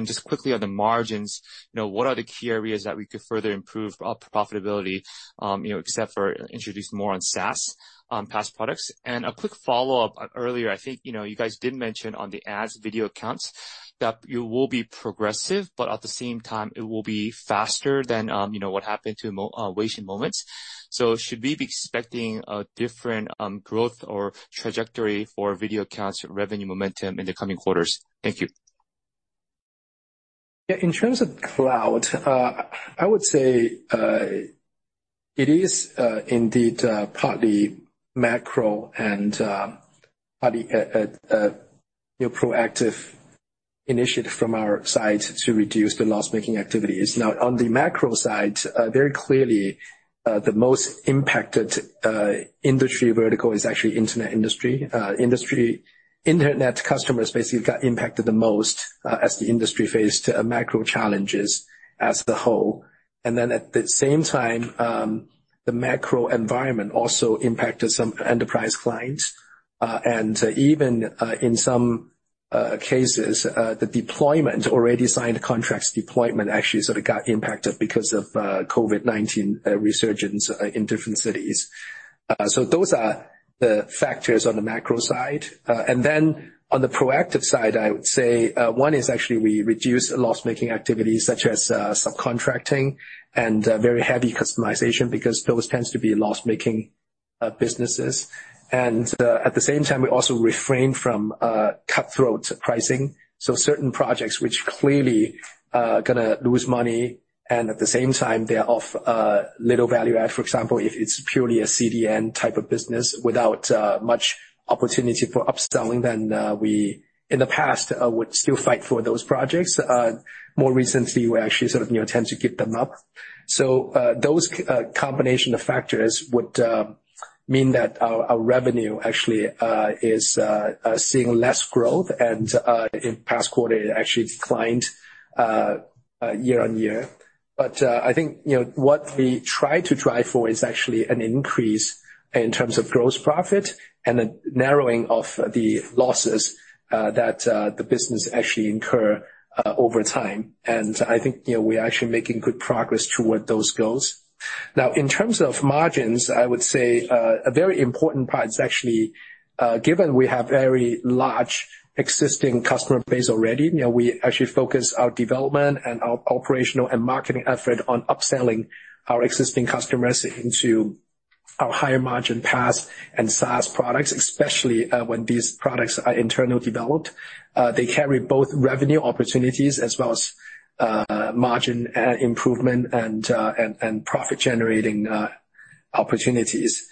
S9: Just quickly on the margins, you know, what are the key areas that we could further improve our profitability, you know, except for introduce more on SaaS, PaaS products? A quick follow-up. Earlier, I think, you know, you guys did mention on the ads video accounts that you will be progressive, but at the same time it will be faster than, you know, what happened to Weixin Moments. Should we be expecting a different, growth or trajectory for video accounts revenue momentum in the coming quarters? Thank you.
S3: Yeah. In terms of cloud, I would say, it is indeed partly macro and partly a you know proactive initiative from our side to reduce the loss-making activities. Now, on the macro side, very clearly, the most impacted industry vertical is actually internet industry. Internet customers basically got impacted the most, as the industry faced macro challenges as a whole. At the same time, the macro environment also impacted some enterprise clients. And even in some cases, already signed contracts deployment actually sort of got impacted because of COVID-19 resurgence in different cities. Those are the factors on the macro side. On the proactive side, I would say, one is actually we reduce loss-making activities such as, subcontracting and, very heavy customization because those tends to be loss-making, businesses. At the same time, we also refrain from cutthroat pricing. Certain projects which clearly gonna lose money and at the same time they're of, little value add, for example, if it's purely a CDN type of business without, much opportunity for upselling, then, we in the past, would still fight for those projects. More recently, we actually sort of, you know, tend to give them up. Those combination of factors would mean that our revenue actually is seeing less growth. In past quarter, it actually declined year on year. I think, you know, what we try to drive for is actually an increase in terms of gross profit and a narrowing of the losses, that the business actually incur, over time. I think, you know, we are actually making good progress toward those goals. Now, in terms of margins, I would say, a very important part is actually, given we have very large existing customer base already, you know, we actually focus our development and our operational and marketing effort on upselling our existing customers into our higher margin PaaS and SaaS products, especially, when these products are internal developed. They carry both revenue opportunities as well as, margin improvement and profit generating opportunities.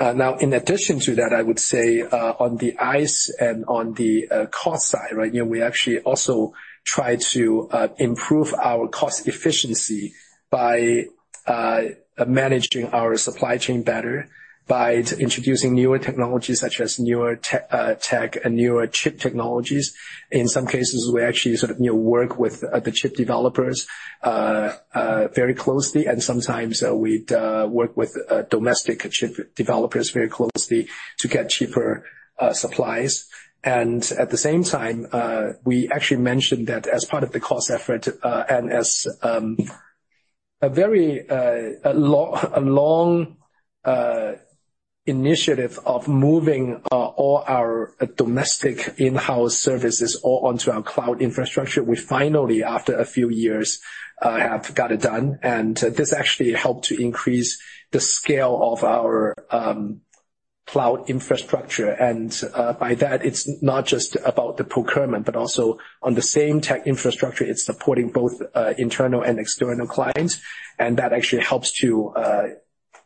S3: Now in addition to that, I would say, on the CapEx and on the cost side, right, you know, we actually also try to improve our cost efficiency by managing our supply chain better, by introducing newer technologies such as newer tech and newer chip technologies. In some cases, we actually sort of, you know, work with the chip developers very closely, and sometimes, we'd work with domestic chip developers very closely to get cheaper supplies. At the same time, we actually mentioned that as part of the cost effort, and as a very long initiative of moving all our domestic in-house services all onto our cloud infrastructure. We finally, after a few years, have got it done, and this actually helped to increase the scale of our cloud infrastructure. By that, it's not just about the procurement, but also on the same tech infrastructure, it's supporting both internal and external clients, and that actually helps to improve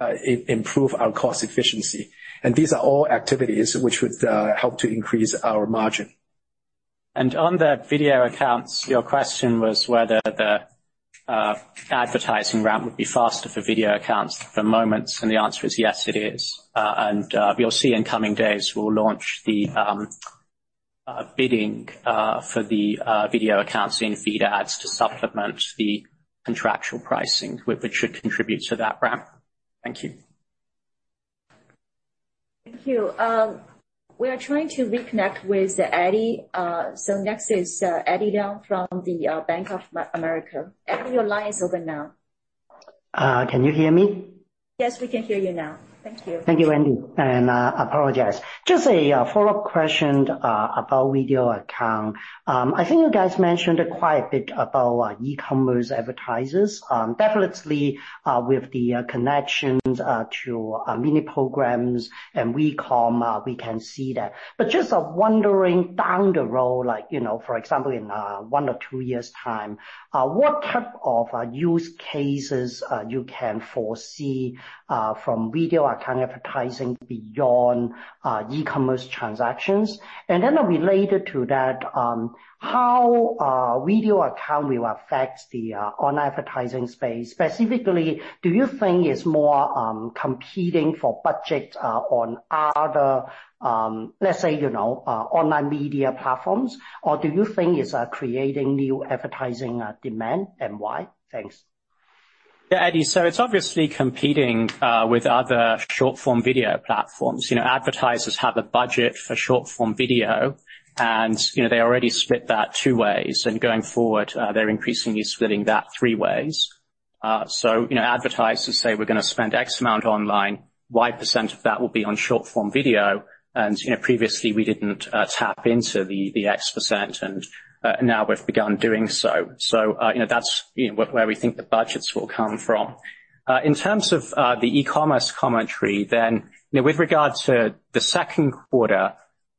S3: our cost efficiency. These are all activities which would help to increase our margin.
S4: On the video accounts, your question was whether the advertising ramp would be faster for video accounts than Moments, and the answer is, yes, it is. You'll see in coming days, we'll launch the bidding for the video accounts in feed ads to supplement the contractual pricing, which should contribute to that ramp. Thank you.
S1: Thank you. We are trying to reconnect with Eddie. Next is Eddie Leung from the Bank of America. Eddie, your line is open now.
S3: Can you hear me?
S1: Yes, we can hear you now. Thank you.
S3: Thank you, Wendy. Apologize. Just a follow-up question about video account. I think you guys mentioned quite a bit about e-commerce advertisers. Definitely, with the connections to mini programs and WeCom, we can see that. Just wondering down the road, like, you know, for example, in 1 or 2 years' time, what type of use cases you can foresee from video account advertising beyond e-commerce transactions? Related to that, how video account will affect the online advertising space. Specifically, do you think it's more competing for budget on other, let's say, you know, online media platforms, or do you think it's creating new advertising demand, and why? Thanks.
S4: Yeah, Eddie. It's obviously competing with other short-form video platforms. You know, advertisers have a budget for short-form video, and, you know, they already split that two ways, and going forward, they're increasingly splitting that three ways. You know, advertisers say we're gonna spend X amount online, Y percent of that will be on short-form video, and, you know, previously we didn't tap into the X percent, and now we've begun doing so. You know, that's where we think the budgets will come from. In terms of the e-commerce commentary then, you know, with regard to the Q2,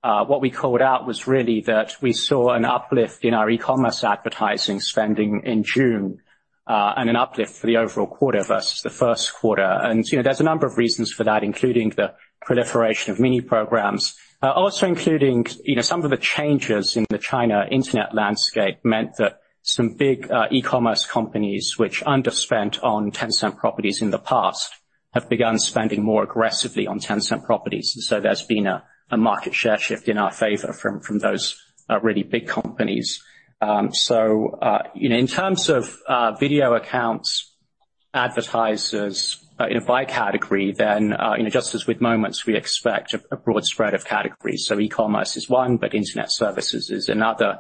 S4: what we called out was really that we saw an uplift in our e-commerce advertising spending in June, and an uplift for the overall quarter versus the Q1. you know, there's a number of reasons for that, including the proliferation of Mini Programs. Also including, you know, some of the changes in the China internet landscape meant that some big e-commerce companies which underspent on Tencent properties in the past have begun spending more aggressively on Tencent properties. So there's been a market share shift in our favor from those really big companies. you know, in terms of video accounts, advertisers, you know, by category then, you know, just as with Moments, we expect a broad spread of categories. So e-commerce is one, but internet services is another.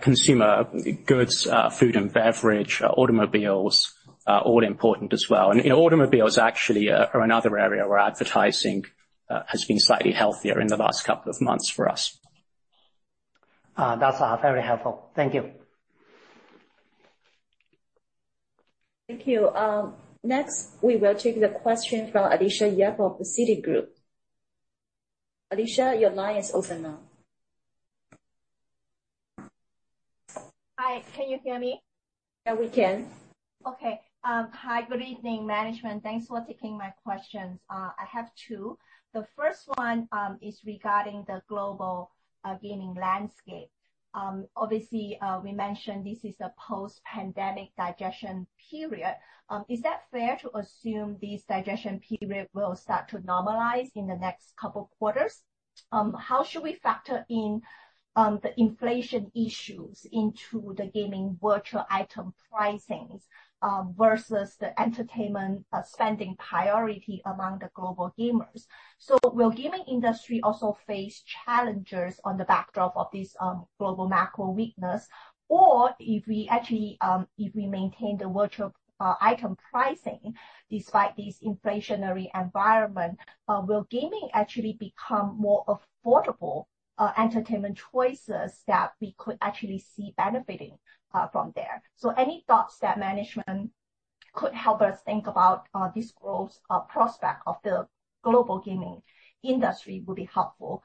S4: Consumer goods, food and beverage, automobiles are all important as well. You know, automobiles actually are another area where advertising has been slightly healthier in the last couple of months for us.
S10: That's very helpful. Thank you.
S1: Thank you. Next, we will take the question from Alicia Yap of Citigroup. Alicia, your line is open now.
S11: Hi, can you hear me?
S1: Yeah, we can.
S11: Okay. Hi, good evening, management. Thanks for taking my questions. I have two. The first one is regarding the global gaming landscape. Obviously, we mentioned this is a post-pandemic digestion period. Is that fair to assume this digestion period will start to normalize in the next couple quarters? How should we factor in the inflation issues into the gaming virtual item pricings versus the entertainment spending priority among the global gamers? Will gaming industry also face challenges on the backdrop of this global macro weakness? Or if we actually maintain the virtual item pricing despite this inflationary environment, will gaming actually become more affordable entertainment choices that we could actually see benefiting from there? Any thoughts that management could help us think about this growth prospect of the global gaming industry would be helpful.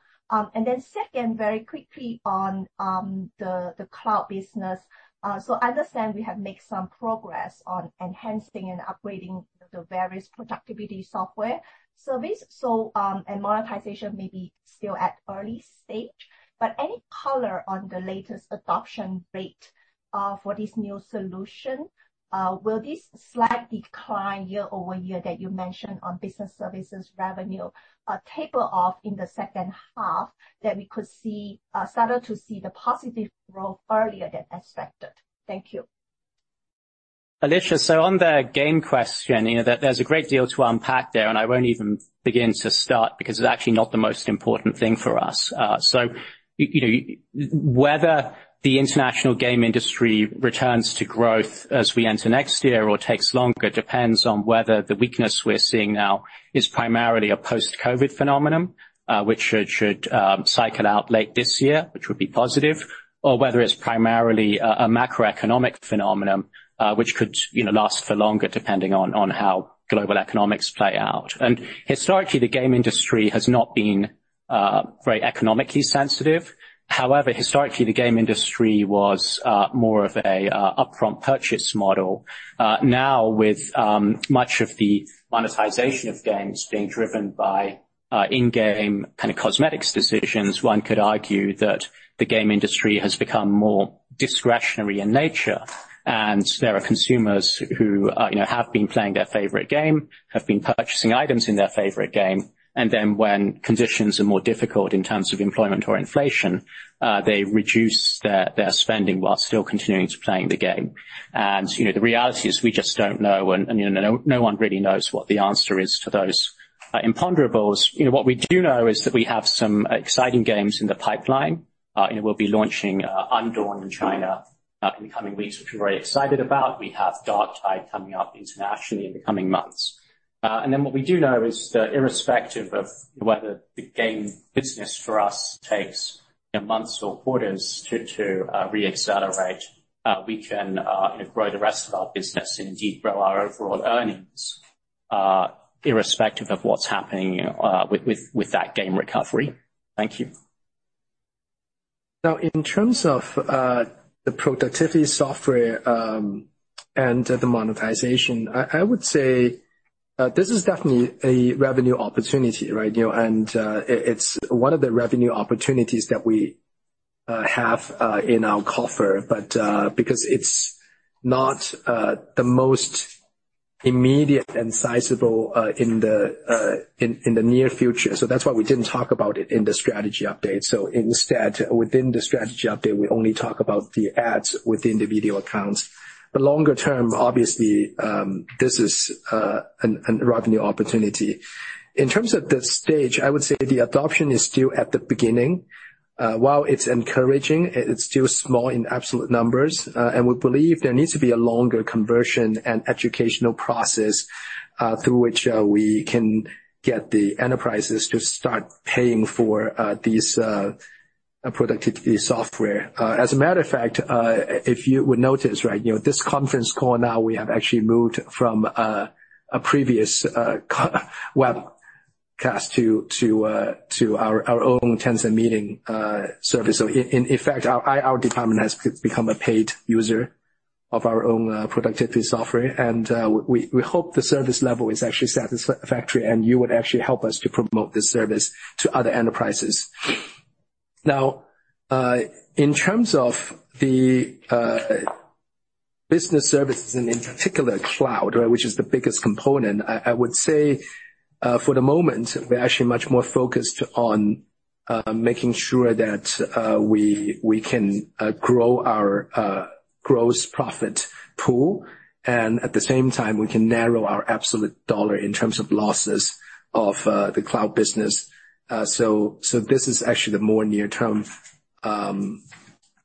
S11: Second, very quickly on the cloud business. I understand we have made some progress on enhancing and upgrading the various productivity software service. Monetization may be still at early stage. Any color on the latest adoption rate for this new solution? Will this slight decline year-over-year that you mentioned on business services revenue taper off in the H2, that we could start to see the positive growth earlier than expected? Thank you.
S4: Alicia Yap, on the game question, you know, there's a great deal to unpack there, and I won't even begin to start because it's actually not the most important thing for us. You know, whether the international game industry returns to growth as we enter next year or takes longer depends on whether the weakness we're seeing now is primarily a post-COVID phenomenon, which should cycle out late this year, which would be positive, or whether it's primarily a macroeconomic phenomenon, which could, you know, last for longer, depending on how global economics play out. Historically, the game industry has not been very economically sensitive. However, historically, the game industry was more of a upfront purchase model. Now with much of the monetization of games being driven by in-game kind of cosmetics decisions, one could argue that the game industry has become more discretionary in nature. There are consumers who you know have been playing their favorite game, have been purchasing items in their favorite game, and then when conditions are more difficult in terms of employment or inflation they reduce their spending while still continuing to play the game. You know the reality is we just don't know and you know no one really knows what the answer is to those imponderables. You know what we do know is that we have some exciting games in the pipeline. We'll be launching Undawn in China in the coming weeks, which we're very excited about. We have Warhammer 40,000: Darktide coming up internationally in the coming months. What we do know is that irrespective of whether the game business for us takes, you know, months or quarters to re-accelerate, we can, you know, grow the rest of our business and indeed grow our overall earnings, irrespective of what's happening with that game recovery. Thank you.
S3: Now, in terms of the productivity software and the monetization, I would say this is definitely a revenue opportunity, right? You know, and it's one of the revenue opportunities that we have in our coffer. But because it's not the most-
S4: Immediate and sizable in the near future. That's why we didn't talk about it in the strategy update. Instead, within the strategy update, we only talk about the ads within the video accounts. Longer term, obviously, this is a revenue opportunity. In terms of the stage, I would say the adoption is still at the beginning. While it's encouraging, it's still small in absolute numbers. We believe there needs to be a longer conversion and educational process, through which we can get the enterprises to start paying for these productivity software. As a matter of fact, if you would notice, right, you know, this conference call now we have actually moved from a previous webcast to our own Tencent Meeting service. In effect, our IR department has become a paid user of our own productivity software. We hope the service level is actually satisfactory, and you would actually help us to promote this service to other enterprises. Now, in terms of the business services and in particular cloud, right, which is the biggest component, I would say, for the moment, we're actually much more focused on making sure that we can grow our gross profit pool. At the same time, we can narrow our absolute dollar in terms of losses of the cloud business. This is actually the more near-term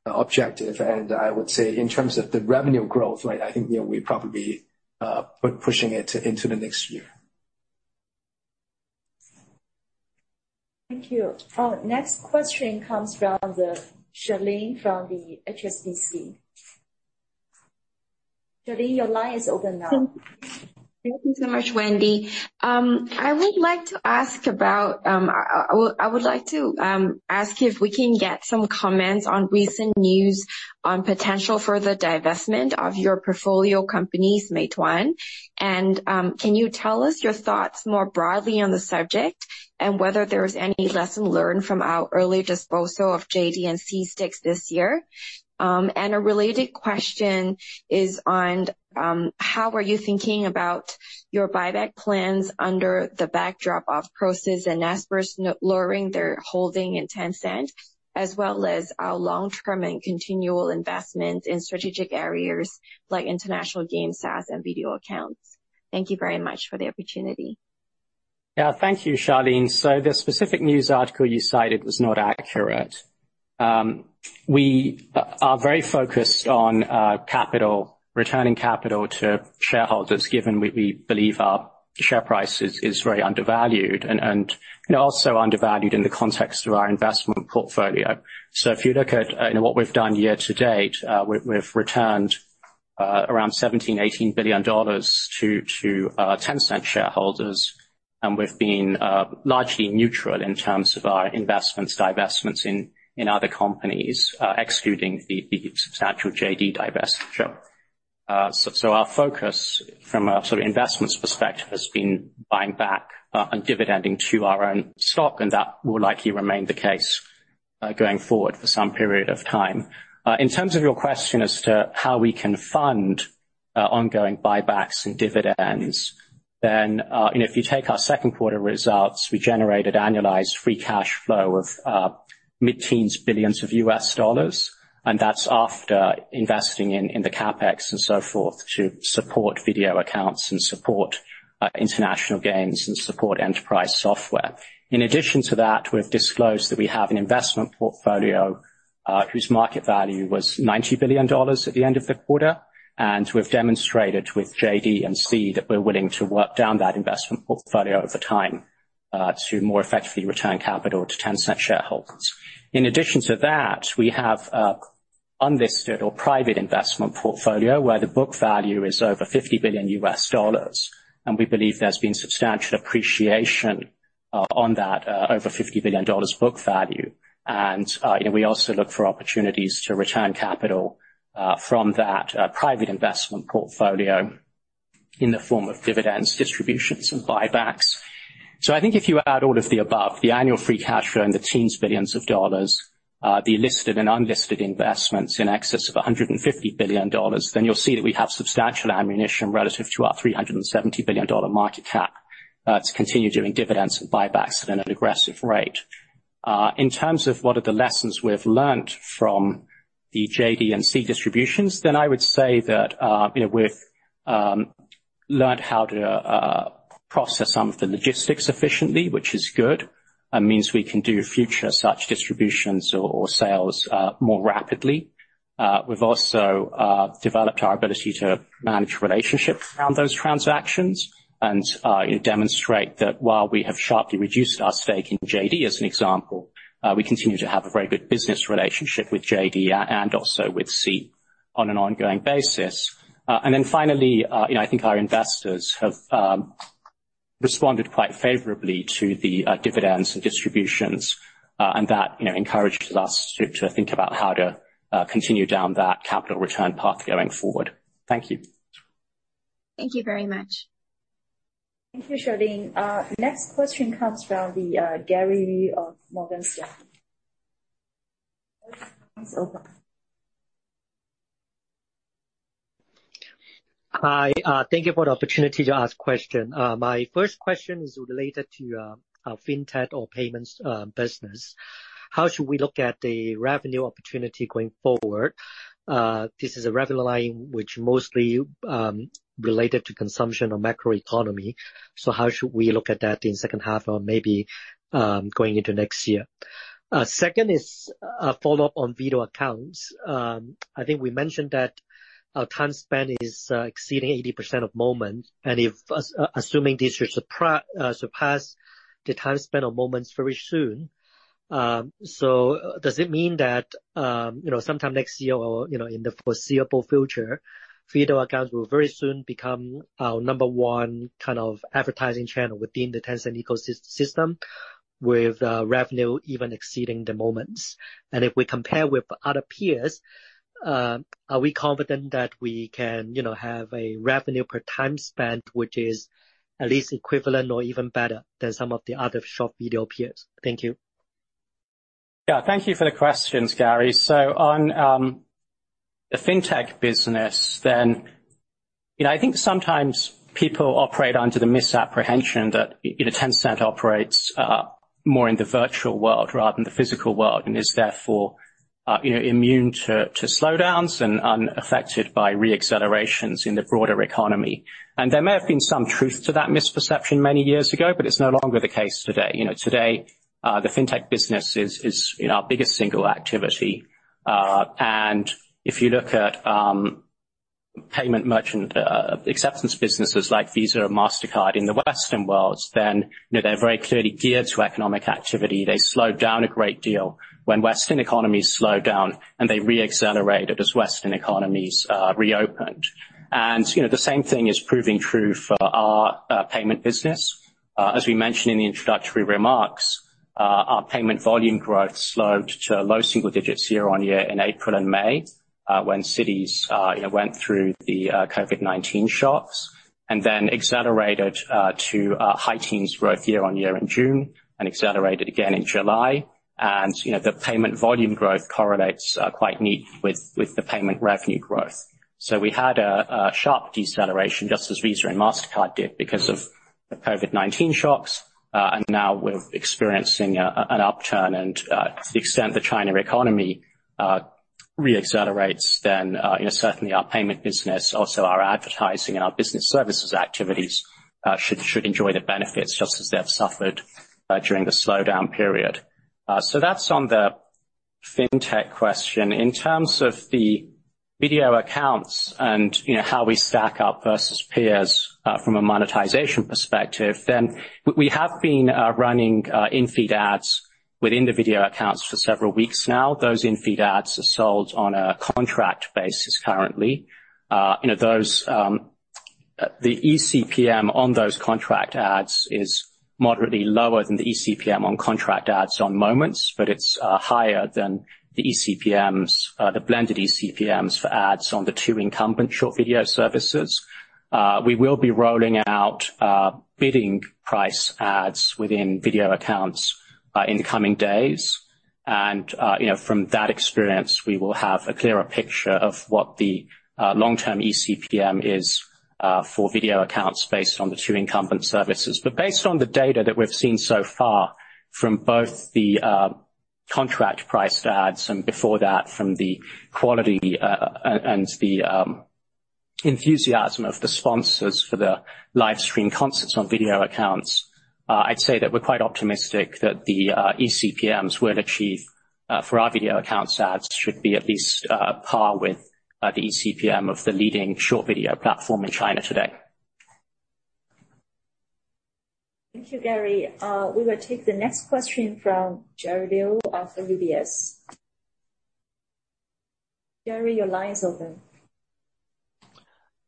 S4: objective. I would say in terms of the revenue growth, right, I think, you know, we're probably pushing it into the next year.
S1: Thank you. Our next question comes from Charlene Liu from HSBC. Charlene Liu, your line is open now.
S12: Thank you so much, Wendy. I would like to ask if we can get some comments on recent news on potential further divestment of your portfolio companies, Meituan. Can you tell us your thoughts more broadly on the subject, and whether there is any lesson learned from our early disposal of JD and Sea stakes this year? A related question is on how are you thinking about your buyback plans under the backdrop of Prosus and Naspers lowering their holding in Tencent, as well as our long-term and continual investment in strategic areas like international games, SaaS, and Video Accounts? Thank you very much for the opportunity.
S4: Thank you, Charlene Liu. The specific news article you cited was not accurate. We are very focused on capital returning capital to shareholders, given we believe our share price is very undervalued and, you know, also undervalued in the context of our investment portfolio. If you look at, you know, what we've done year to date, we've returned around $17 billion-$18 billion to Tencent shareholders, and we've been largely neutral in terms of our investments, divestments in other companies, excluding the substantial JD divestiture. Our focus from a sort of investment perspective has been buying back and dividending to our own stock, and that will likely remain the case going forward for some period of time. In terms of your question as to how we can fund ongoing buybacks and dividends, you know, if you take our Q2 results, we generated annualized free cash flow of mid-teens billion dollars, and that's after investing in CapEx and so forth to support video accounts and support international games and support enterprise software. In addition to that, we've disclosed that we have an investment portfolio whose market value was $90 billion at the end of the quarter, and we've demonstrated with JD and Sea that we're willing to work down that investment portfolio over time to more effectively return capital to Tencent shareholders. In addition to that, we have an unlisted or private investment portfolio where the book value is over $50 billion, and we believe there's been substantial appreciation on that over $50 billion book value. You know, we also look for opportunities to return capital from that private investment portfolio in the form of dividends, distributions, and buybacks. I think if you add all of the above, the annual free cash flow in the teens of billions of dollars, the listed and unlisted investments in excess of $150 billion, then you'll see that we have substantial ammunition relative to our $370 billion market cap to continue doing dividends and buybacks at an aggressive rate. In terms of what are the lessons we have learned from the JD and Sea distributions. I would say that, you know, we've learned how to process some of the logistics efficiently, which is good. That means we can do future such distributions or sales more rapidly. We've also developed our ability to manage relationships around those transactions and, you know, demonstrate that while we have sharply reduced our stake in JD, as an example, we continue to have a very good business relationship with JD and also with Sea on an ongoing basis. Finally, you know, I think our investors have responded quite favorably to the dividends and distributions, and that, you know, encourages us to think about how to continue down that capital return path going forward. Thank you.
S12: Thank you very much.
S1: Thank you, Charlene Liu. Next question comes from Gary Yu of Morgan Stanley. Line's open.
S13: Hi. Thank you for the opportunity to ask question. My first question is related to our fintech or payments business. How should we look at the revenue opportunity going forward? This is a revenue line which mostly related to consumption or macroeconomy. So how should we look at that in H2 or maybe going into next year? Second is a follow-up on video accounts. I think we mentioned that our time spent is exceeding 80% of Moments. If assuming these should surpass the time spent on Moments very soon. So does it mean that you know sometime next year or you know in the foreseeable future, video accounts will very soon become our number one kind of advertising channel within the Tencent ecosystem with revenue even exceeding the Moments. If we compare with other peers, are we confident that we can, you know, have a revenue per time spent, which is at least equivalent or even better than some of the other short video peers? Thank you.
S4: Yeah. Thank you for the questions, Gary. On the FinTech business then, you know, I think sometimes people operate under the misapprehension that, you know, Tencent operates more in the virtual world rather than the physical world and is therefore, you know, immune to slowdowns and unaffected by re-accelerations in the broader economy. There may have been some truth to that misperception many years ago, but it's no longer the case today. You know, today, the FinTech business is you know, our biggest single activity. And if you look at payment merchant acceptance businesses like Visa or Mastercard in the Western world, then, you know, they're very clearly geared to economic activity. They slowed down a great deal when Western economies slowed down, and they re-accelerated as Western economies reopened. You know, the same thing is proving true for our payment business. As we mentioned in the introductory remarks, our payment volume growth slowed to low single digits year on year in April and May, when cities, you know, went through the COVID-19 shocks. Then accelerated to high teens growth year on year in June, and accelerated again in July. You know, the payment volume growth correlates quite neatly with the payment revenue growth. We had a sharp deceleration just as Visa and Mastercard did because of the COVID-19 shocks, and now we're experiencing an upturn. To the extent the China economy re-accelerates, then, you know, certainly our payment business, also our advertising and our business services activities, should enjoy the benefits just as they have suffered during the slowdown period. That's on the FinTech question. In terms of the video accounts and, you know, how we stack up versus peers, from a monetization perspective, then we have been running in-feed ads within the video accounts for several weeks now. Those in-feed ads are sold on a contract basis currently. You know, the eCPM on those contract ads is moderately lower than the eCPM on contract ads on Moments, but it's higher than the blended eCPMs for ads on the two incumbent short video services. We will be rolling out bidding price ads within video accounts in the coming days. You know, from that experience, we will have a clearer picture of what the long-term eCPM is for video accounts based on the two incumbent services. Based on the data that we've seen so far from both the contract priced ads and before that from the quality and the enthusiasm of the sponsors for the live stream concerts on video accounts, I'd say that we're quite optimistic that the eCPMs we'll achieve for our video accounts ads should be at least par with the eCPM of the leading short video platform in China today.
S1: Thank you, Gary. We will take the next question from Jerry Liu of UBS. Gary, your line is open.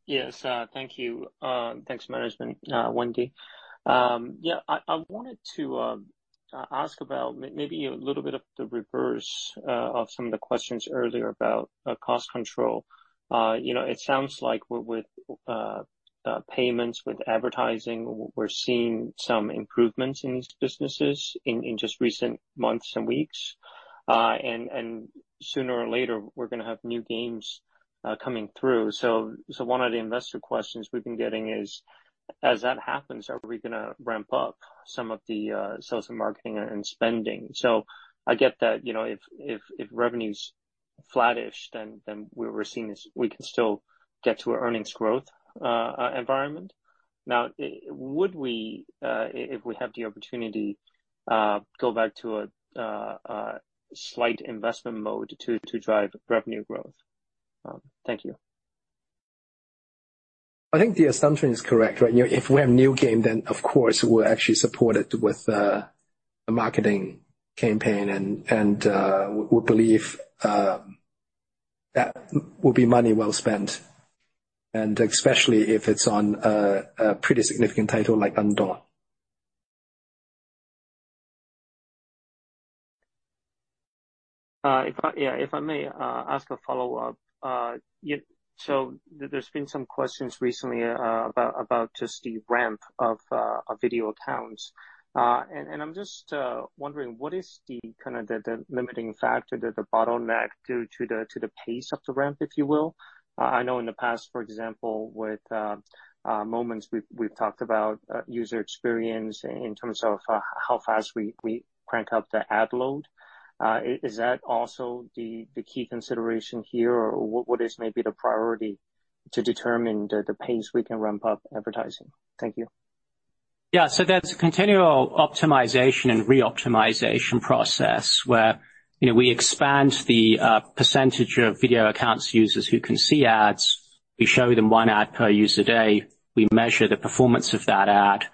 S14: Yes. Thank you. Thanks for management, Wendy. Yeah, I wanted to ask about maybe a little bit of the reverse of some of the questions earlier about cost control. You know, it sounds like with payments, with advertising, we're seeing some improvements in these businesses in just recent months and weeks. And sooner or later we're gonna have new games coming through. So one of the investor questions we've been getting is, as that happens, are we gonna ramp up some of the sales and marketing and spending? So I get that, you know, if revenue's flattish, then we're seeing is we can still get to an earnings growth environment. Now, would we, if we have the opportunity, go back to a slight investment mode to drive revenue growth? Thank you.
S3: I think the assumption is correct, right? You know, if we have new game, then of course we'll actually support it with a marketing campaign and we believe that will be money well spent, and especially if it's on a pretty significant title like Undawn.
S14: If I may ask a follow-up. Yeah, so there's been some questions recently about just the ramp of video accounts. I'm just wondering what is the kind of limiting factor, the bottleneck to the pace of the ramp, if you will? I know in the past, for example, with Moments, we've talked about user experience in terms of how fast we crank up the ad load. Is that also the key consideration here? Or what is maybe the priority to determine the pace we can ramp up advertising? Thank you.
S4: Yeah. That's continual optimization and re-optimization process where, you know, we expand the percentage of video accounts users who can see ads. We show them one ad per user day. We measure the performance of that ad.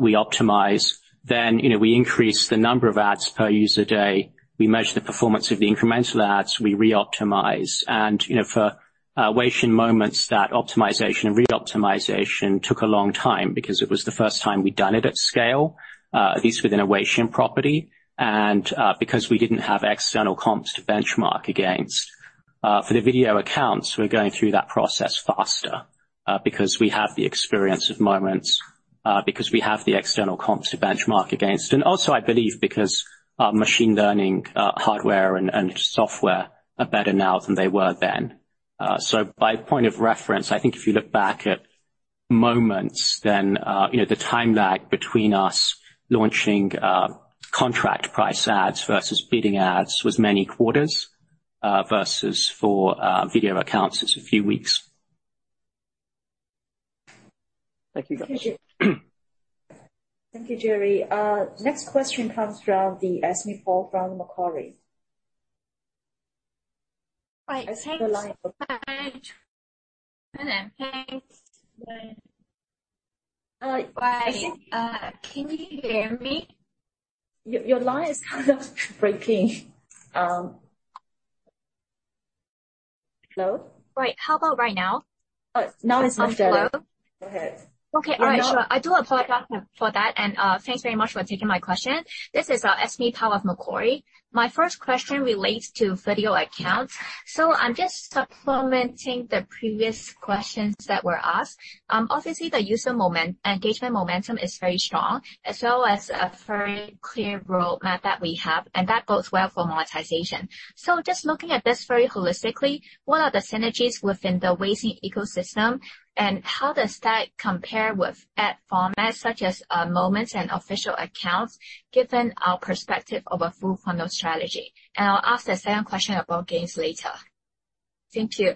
S4: We optimize. You know, we increase the number of ads per user day. We measure the performance of the incremental ads. We re-optimize. You know, for Weixin Moments, that optimization and re-optimization took a long time because it was the first time we'd done it at scale, at least within a Weixin property. Because we didn't have external comps to benchmark against. For the video accounts, we're going through that process faster, because we have the experience of Moments, because we have the external comps to benchmark against. Also, I believe because our machine learning, hardware and software are better now than they were then. By point of reference, I think if you look back at Moments then, you know, the time lag between us launching, contract price ads versus bidding ads was many quarters, versus for, video accounts it's a few weeks.
S14: Thank you.
S1: Thank you, Jerry. Next question comes from Ellie Jiang from Macquarie.
S15: Right. Thanks.
S1: I think you're live.
S15: Hi. Hello. Thanks. Hi. Can you hear me?
S1: Your line is kind of breaking. Hello?
S15: Right. How about right now?
S1: Now it's much better.
S15: Hello?
S1: Go ahead.
S15: Okay. All right. Sure. I do apologize for that, and thanks very much for taking my question. This is Ellie Jiang of Macquarie. My first question relates to video accounts. I'm just supplementing the previous questions that were asked. Obviously the user engagement momentum is very strong, as well as a very clear roadmap that we have and that bodes well for monetization. Just looking at this very holistically, what are the synergies within the Weixin ecosystem? And how does that compare with ad formats such as Moments and official accounts, given our perspective of a full funnel strategy? And I'll ask the second question about games later. Thank you.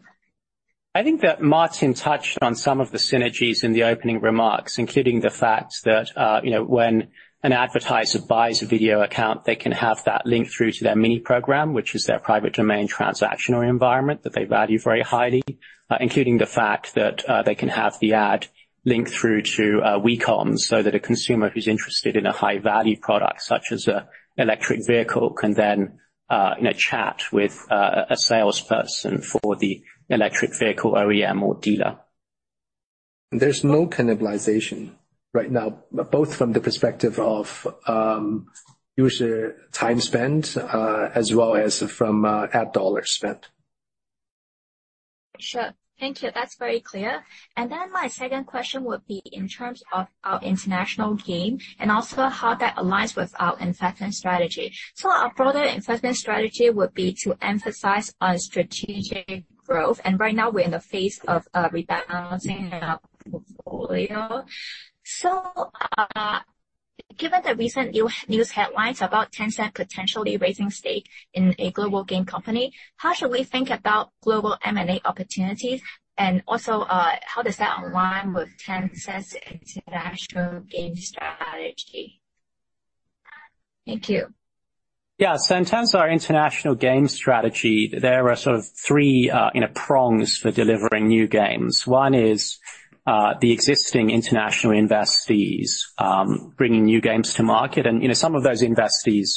S4: I think that Martin touched on some of the synergies in the opening remarks, including the fact that, you know, when an advertiser buys a video account, they can have that link through to their Mini Program, which is their private domain transactional environment that they value very highly. Including the fact that, they can have the ad link through to WeCom so that a consumer who's interested in a high-value product, such as an electric vehicle, can then, you know, chat with a salesperson for the electric vehicle OEM or dealer.
S3: There's no cannibalization right now, both from the perspective of user time spent, as well as from ad dollars spent.
S15: Sure. Thank you. That's very clear. My second question would be in terms of our international game and also how that aligns with our investment strategy. Our broader investment strategy would be to emphasize on strategic growth. Right now we're in the phase of rebalancing our portfolio. Given the recent news headlines about Tencent potentially raising stake in a global game company, how should we think about global M&A opportunities? How does that align with Tencent's international game strategy? Thank you.
S4: Yeah. In terms of our international game strategy, there are sort of three, you know, prongs for delivering new games. One is the existing international investees bringing new games to market. You know, some of those investees,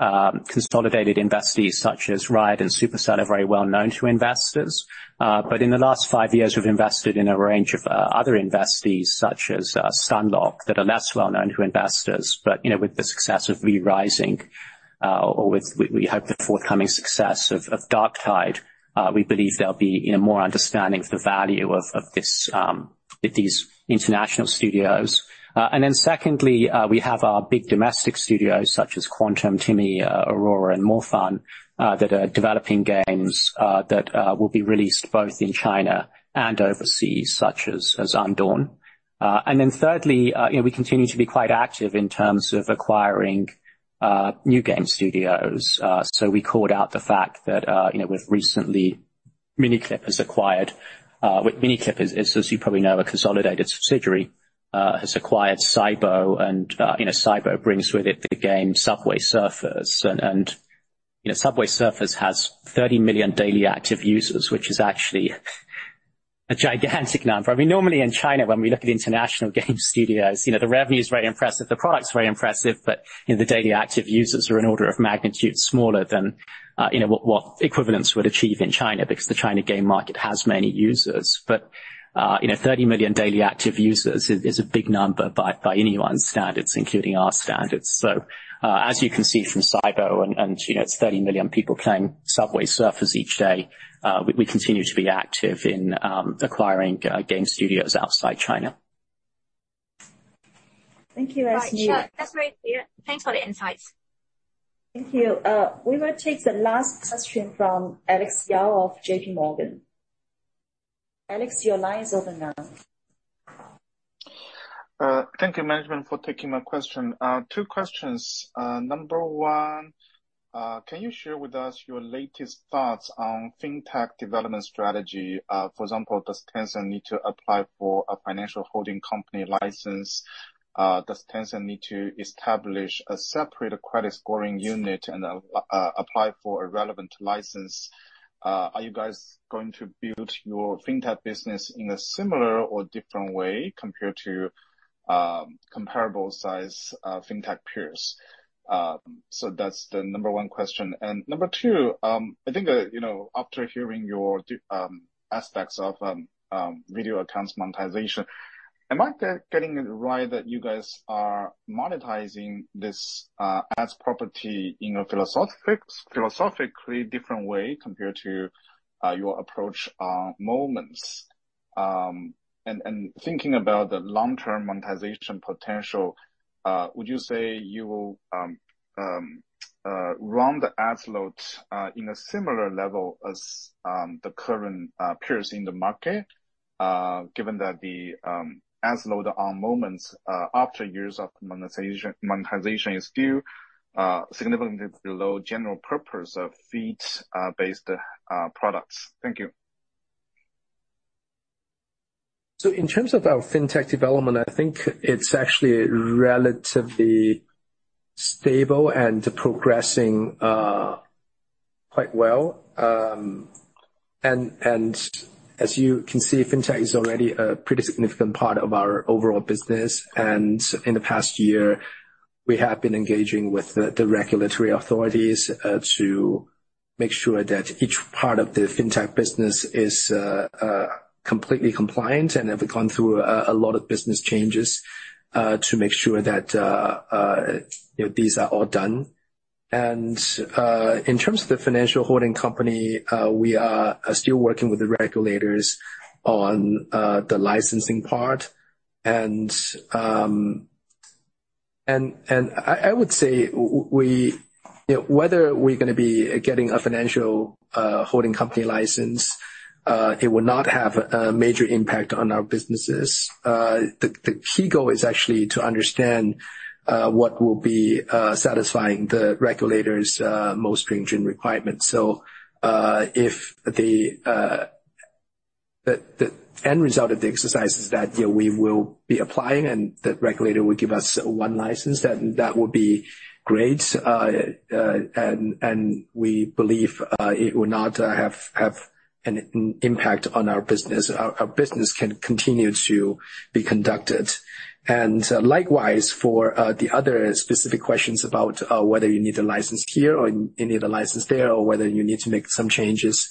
S4: consolidated investees such as Riot and Supercell are very well known to investors. In the last five years, we've invested in a range of other investees such as Stunlock that are less well known to investors. You know, with the success of V Rising or we hope the forthcoming success of Warhammer 40,000: Darktide, we believe there'll be, you know, more understanding of the value of these international studios. Secondly, we have our big domestic studios such as Quantum, TiMi, Aurora and MoreFun that are developing games that will be released both in China and overseas, such as Undawn. Thirdly, you know, we continue to be quite active in terms of acquiring new game studios. We called out the fact that, you know, Miniclip, as you probably know, a consolidated subsidiary, has recently acquired SYBO. You know, SYBO brings with it the game Subway Surfers. You know, Subway Surfers has 30 million daily active users, which is actually a gigantic number. I mean, normally in China, when we look at international game studios, you know, the revenue is very impressive, the product's very impressive, but, you know, the daily active users are an order of magnitude smaller than, you know, what equivalents would achieve in China, because the China game market has many users. You know, 30 million daily active users is a big number by anyone's standards, including our standards. As you can see from SYBO and, you know, its 30 million people playing Subway Surfers each day, we continue to be active in acquiring game studios outside China.
S1: Thank you, Ellie Jiang.
S15: Right. Sure. That's very clear. Thanks for the insights.
S1: Thank you. We will take the last question from Alex Yao of J.P. Morgan. Alex, your line is open now.
S16: Thank you, management, for taking my question. Two questions. Number one, can you share with us your latest thoughts on fintech development strategy? For example, does Tencent need to apply for a financial holding company license? Does Tencent need to establish a separate credit scoring unit and apply for a relevant license? Are you guys going to build your fintech business in a similar or different way compared to comparable size fintech peers? So that's the number one question. Number two, I think, you know, after hearing your aspects of video accounts monetization, am I getting it right that you guys are monetizing this ads property in a philosophically different way compared to your approach on Moments? Thinking about the long-term monetization potential, would you say you will run the ad load in a similar level as the current peers in the market, given that the ads loaded on Moments after years of monetization is still significantly below general purpose of feed based products? Thank you.
S3: In terms of our FinTech development, I think it's actually relatively stable and progressing quite well. As you can see, FinTech is already a pretty significant part of our overall business. In the past year, we have been engaging with the regulatory authorities to make sure that each part of the FinTech business is completely compliant. We've gone through a lot of business changes to make sure that, you know, these are all done. In terms of the financial holding company, we are still working with the regulators on the licensing part. I would say, you know, whether we're gonna be getting a financial holding company license, it would not have a major impact on our businesses. The key goal is actually to understand what will be satisfying the regulators' most stringent requirements. If the end result of the exercise is that, you know, we will be applying, and the regulator will give us one license, then that would be great. We believe it would not have an impact on our business. Our business can continue to be conducted. Likewise, for the other specific questions about whether you need a license here or you need a license there, or whether you need to make some changes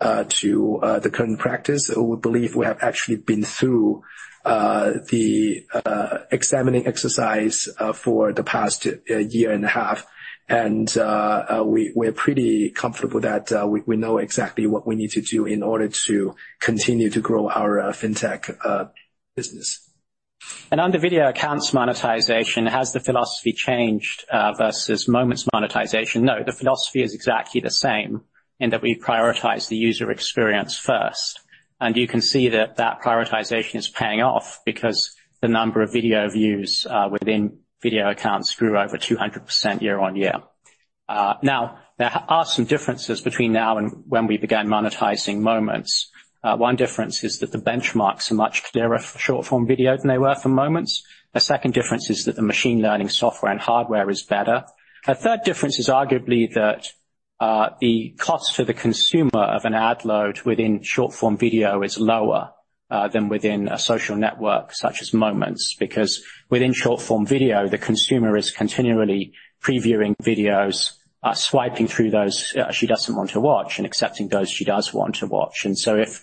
S3: to the current practice, we believe we have actually been through the examining exercise for the past year and a half. We're pretty comfortable that we know exactly what we need to do in order to continue to grow our FinTech business.
S4: On the video accounts monetization, has the philosophy changed versus Moments monetization? No, the philosophy is exactly the same, in that we prioritize the user experience first. You can see that that prioritization is paying off because the number of video views within video accounts grew over 200% year-on-year. Now, there are some differences between now and when we began monetizing Moments. One difference is that the benchmarks are much clearer for short-form video than they were for Moments. The second difference is that the machine learning software and hardware is better. A third difference is arguably that the cost to the consumer of an ad load within short-form video is lower than within a social network such as Moments. Because within short-form video, the consumer is continually previewing videos, swiping through those she doesn't want to watch and accepting those she does want to watch. If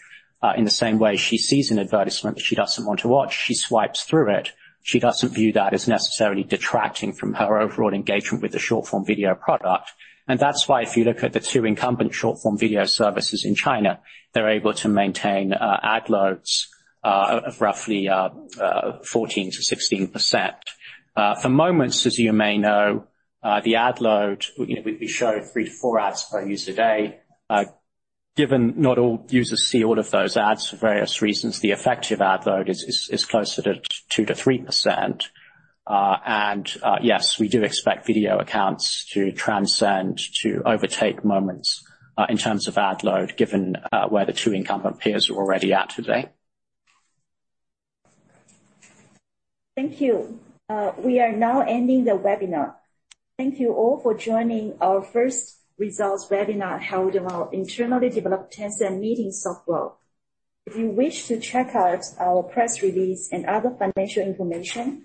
S4: in the same way she sees an advertisement she doesn't want to watch, she swipes through it, she doesn't view that as necessarily detracting from her overall engagement with the short-form video product. That's why if you look at the two incumbent short form video services in China, they're able to maintain ad loads of roughly 14%-16%. For Moments, as you may know, the ad load, you know, we show 3 to 4 ads per user day. Given not all users see all of those ads for various reasons, the effective ad load is closer to 2%-3%. Yes, we do expect video accounts to overtake Moments in terms of ad load, given where the two incumbent peers are already at today.
S1: Thank you. We are now ending the webinar. Thank you all for joining our first results webinar held about internally developed Tencent Meeting software. If you wish to check out our press release and other financial information,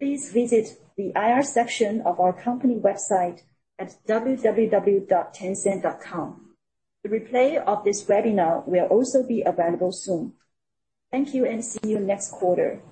S1: please visit the IR section of our company website at www.tencent.com. The replay of this webinar will also be available soon. Thank you, and see you next quarter.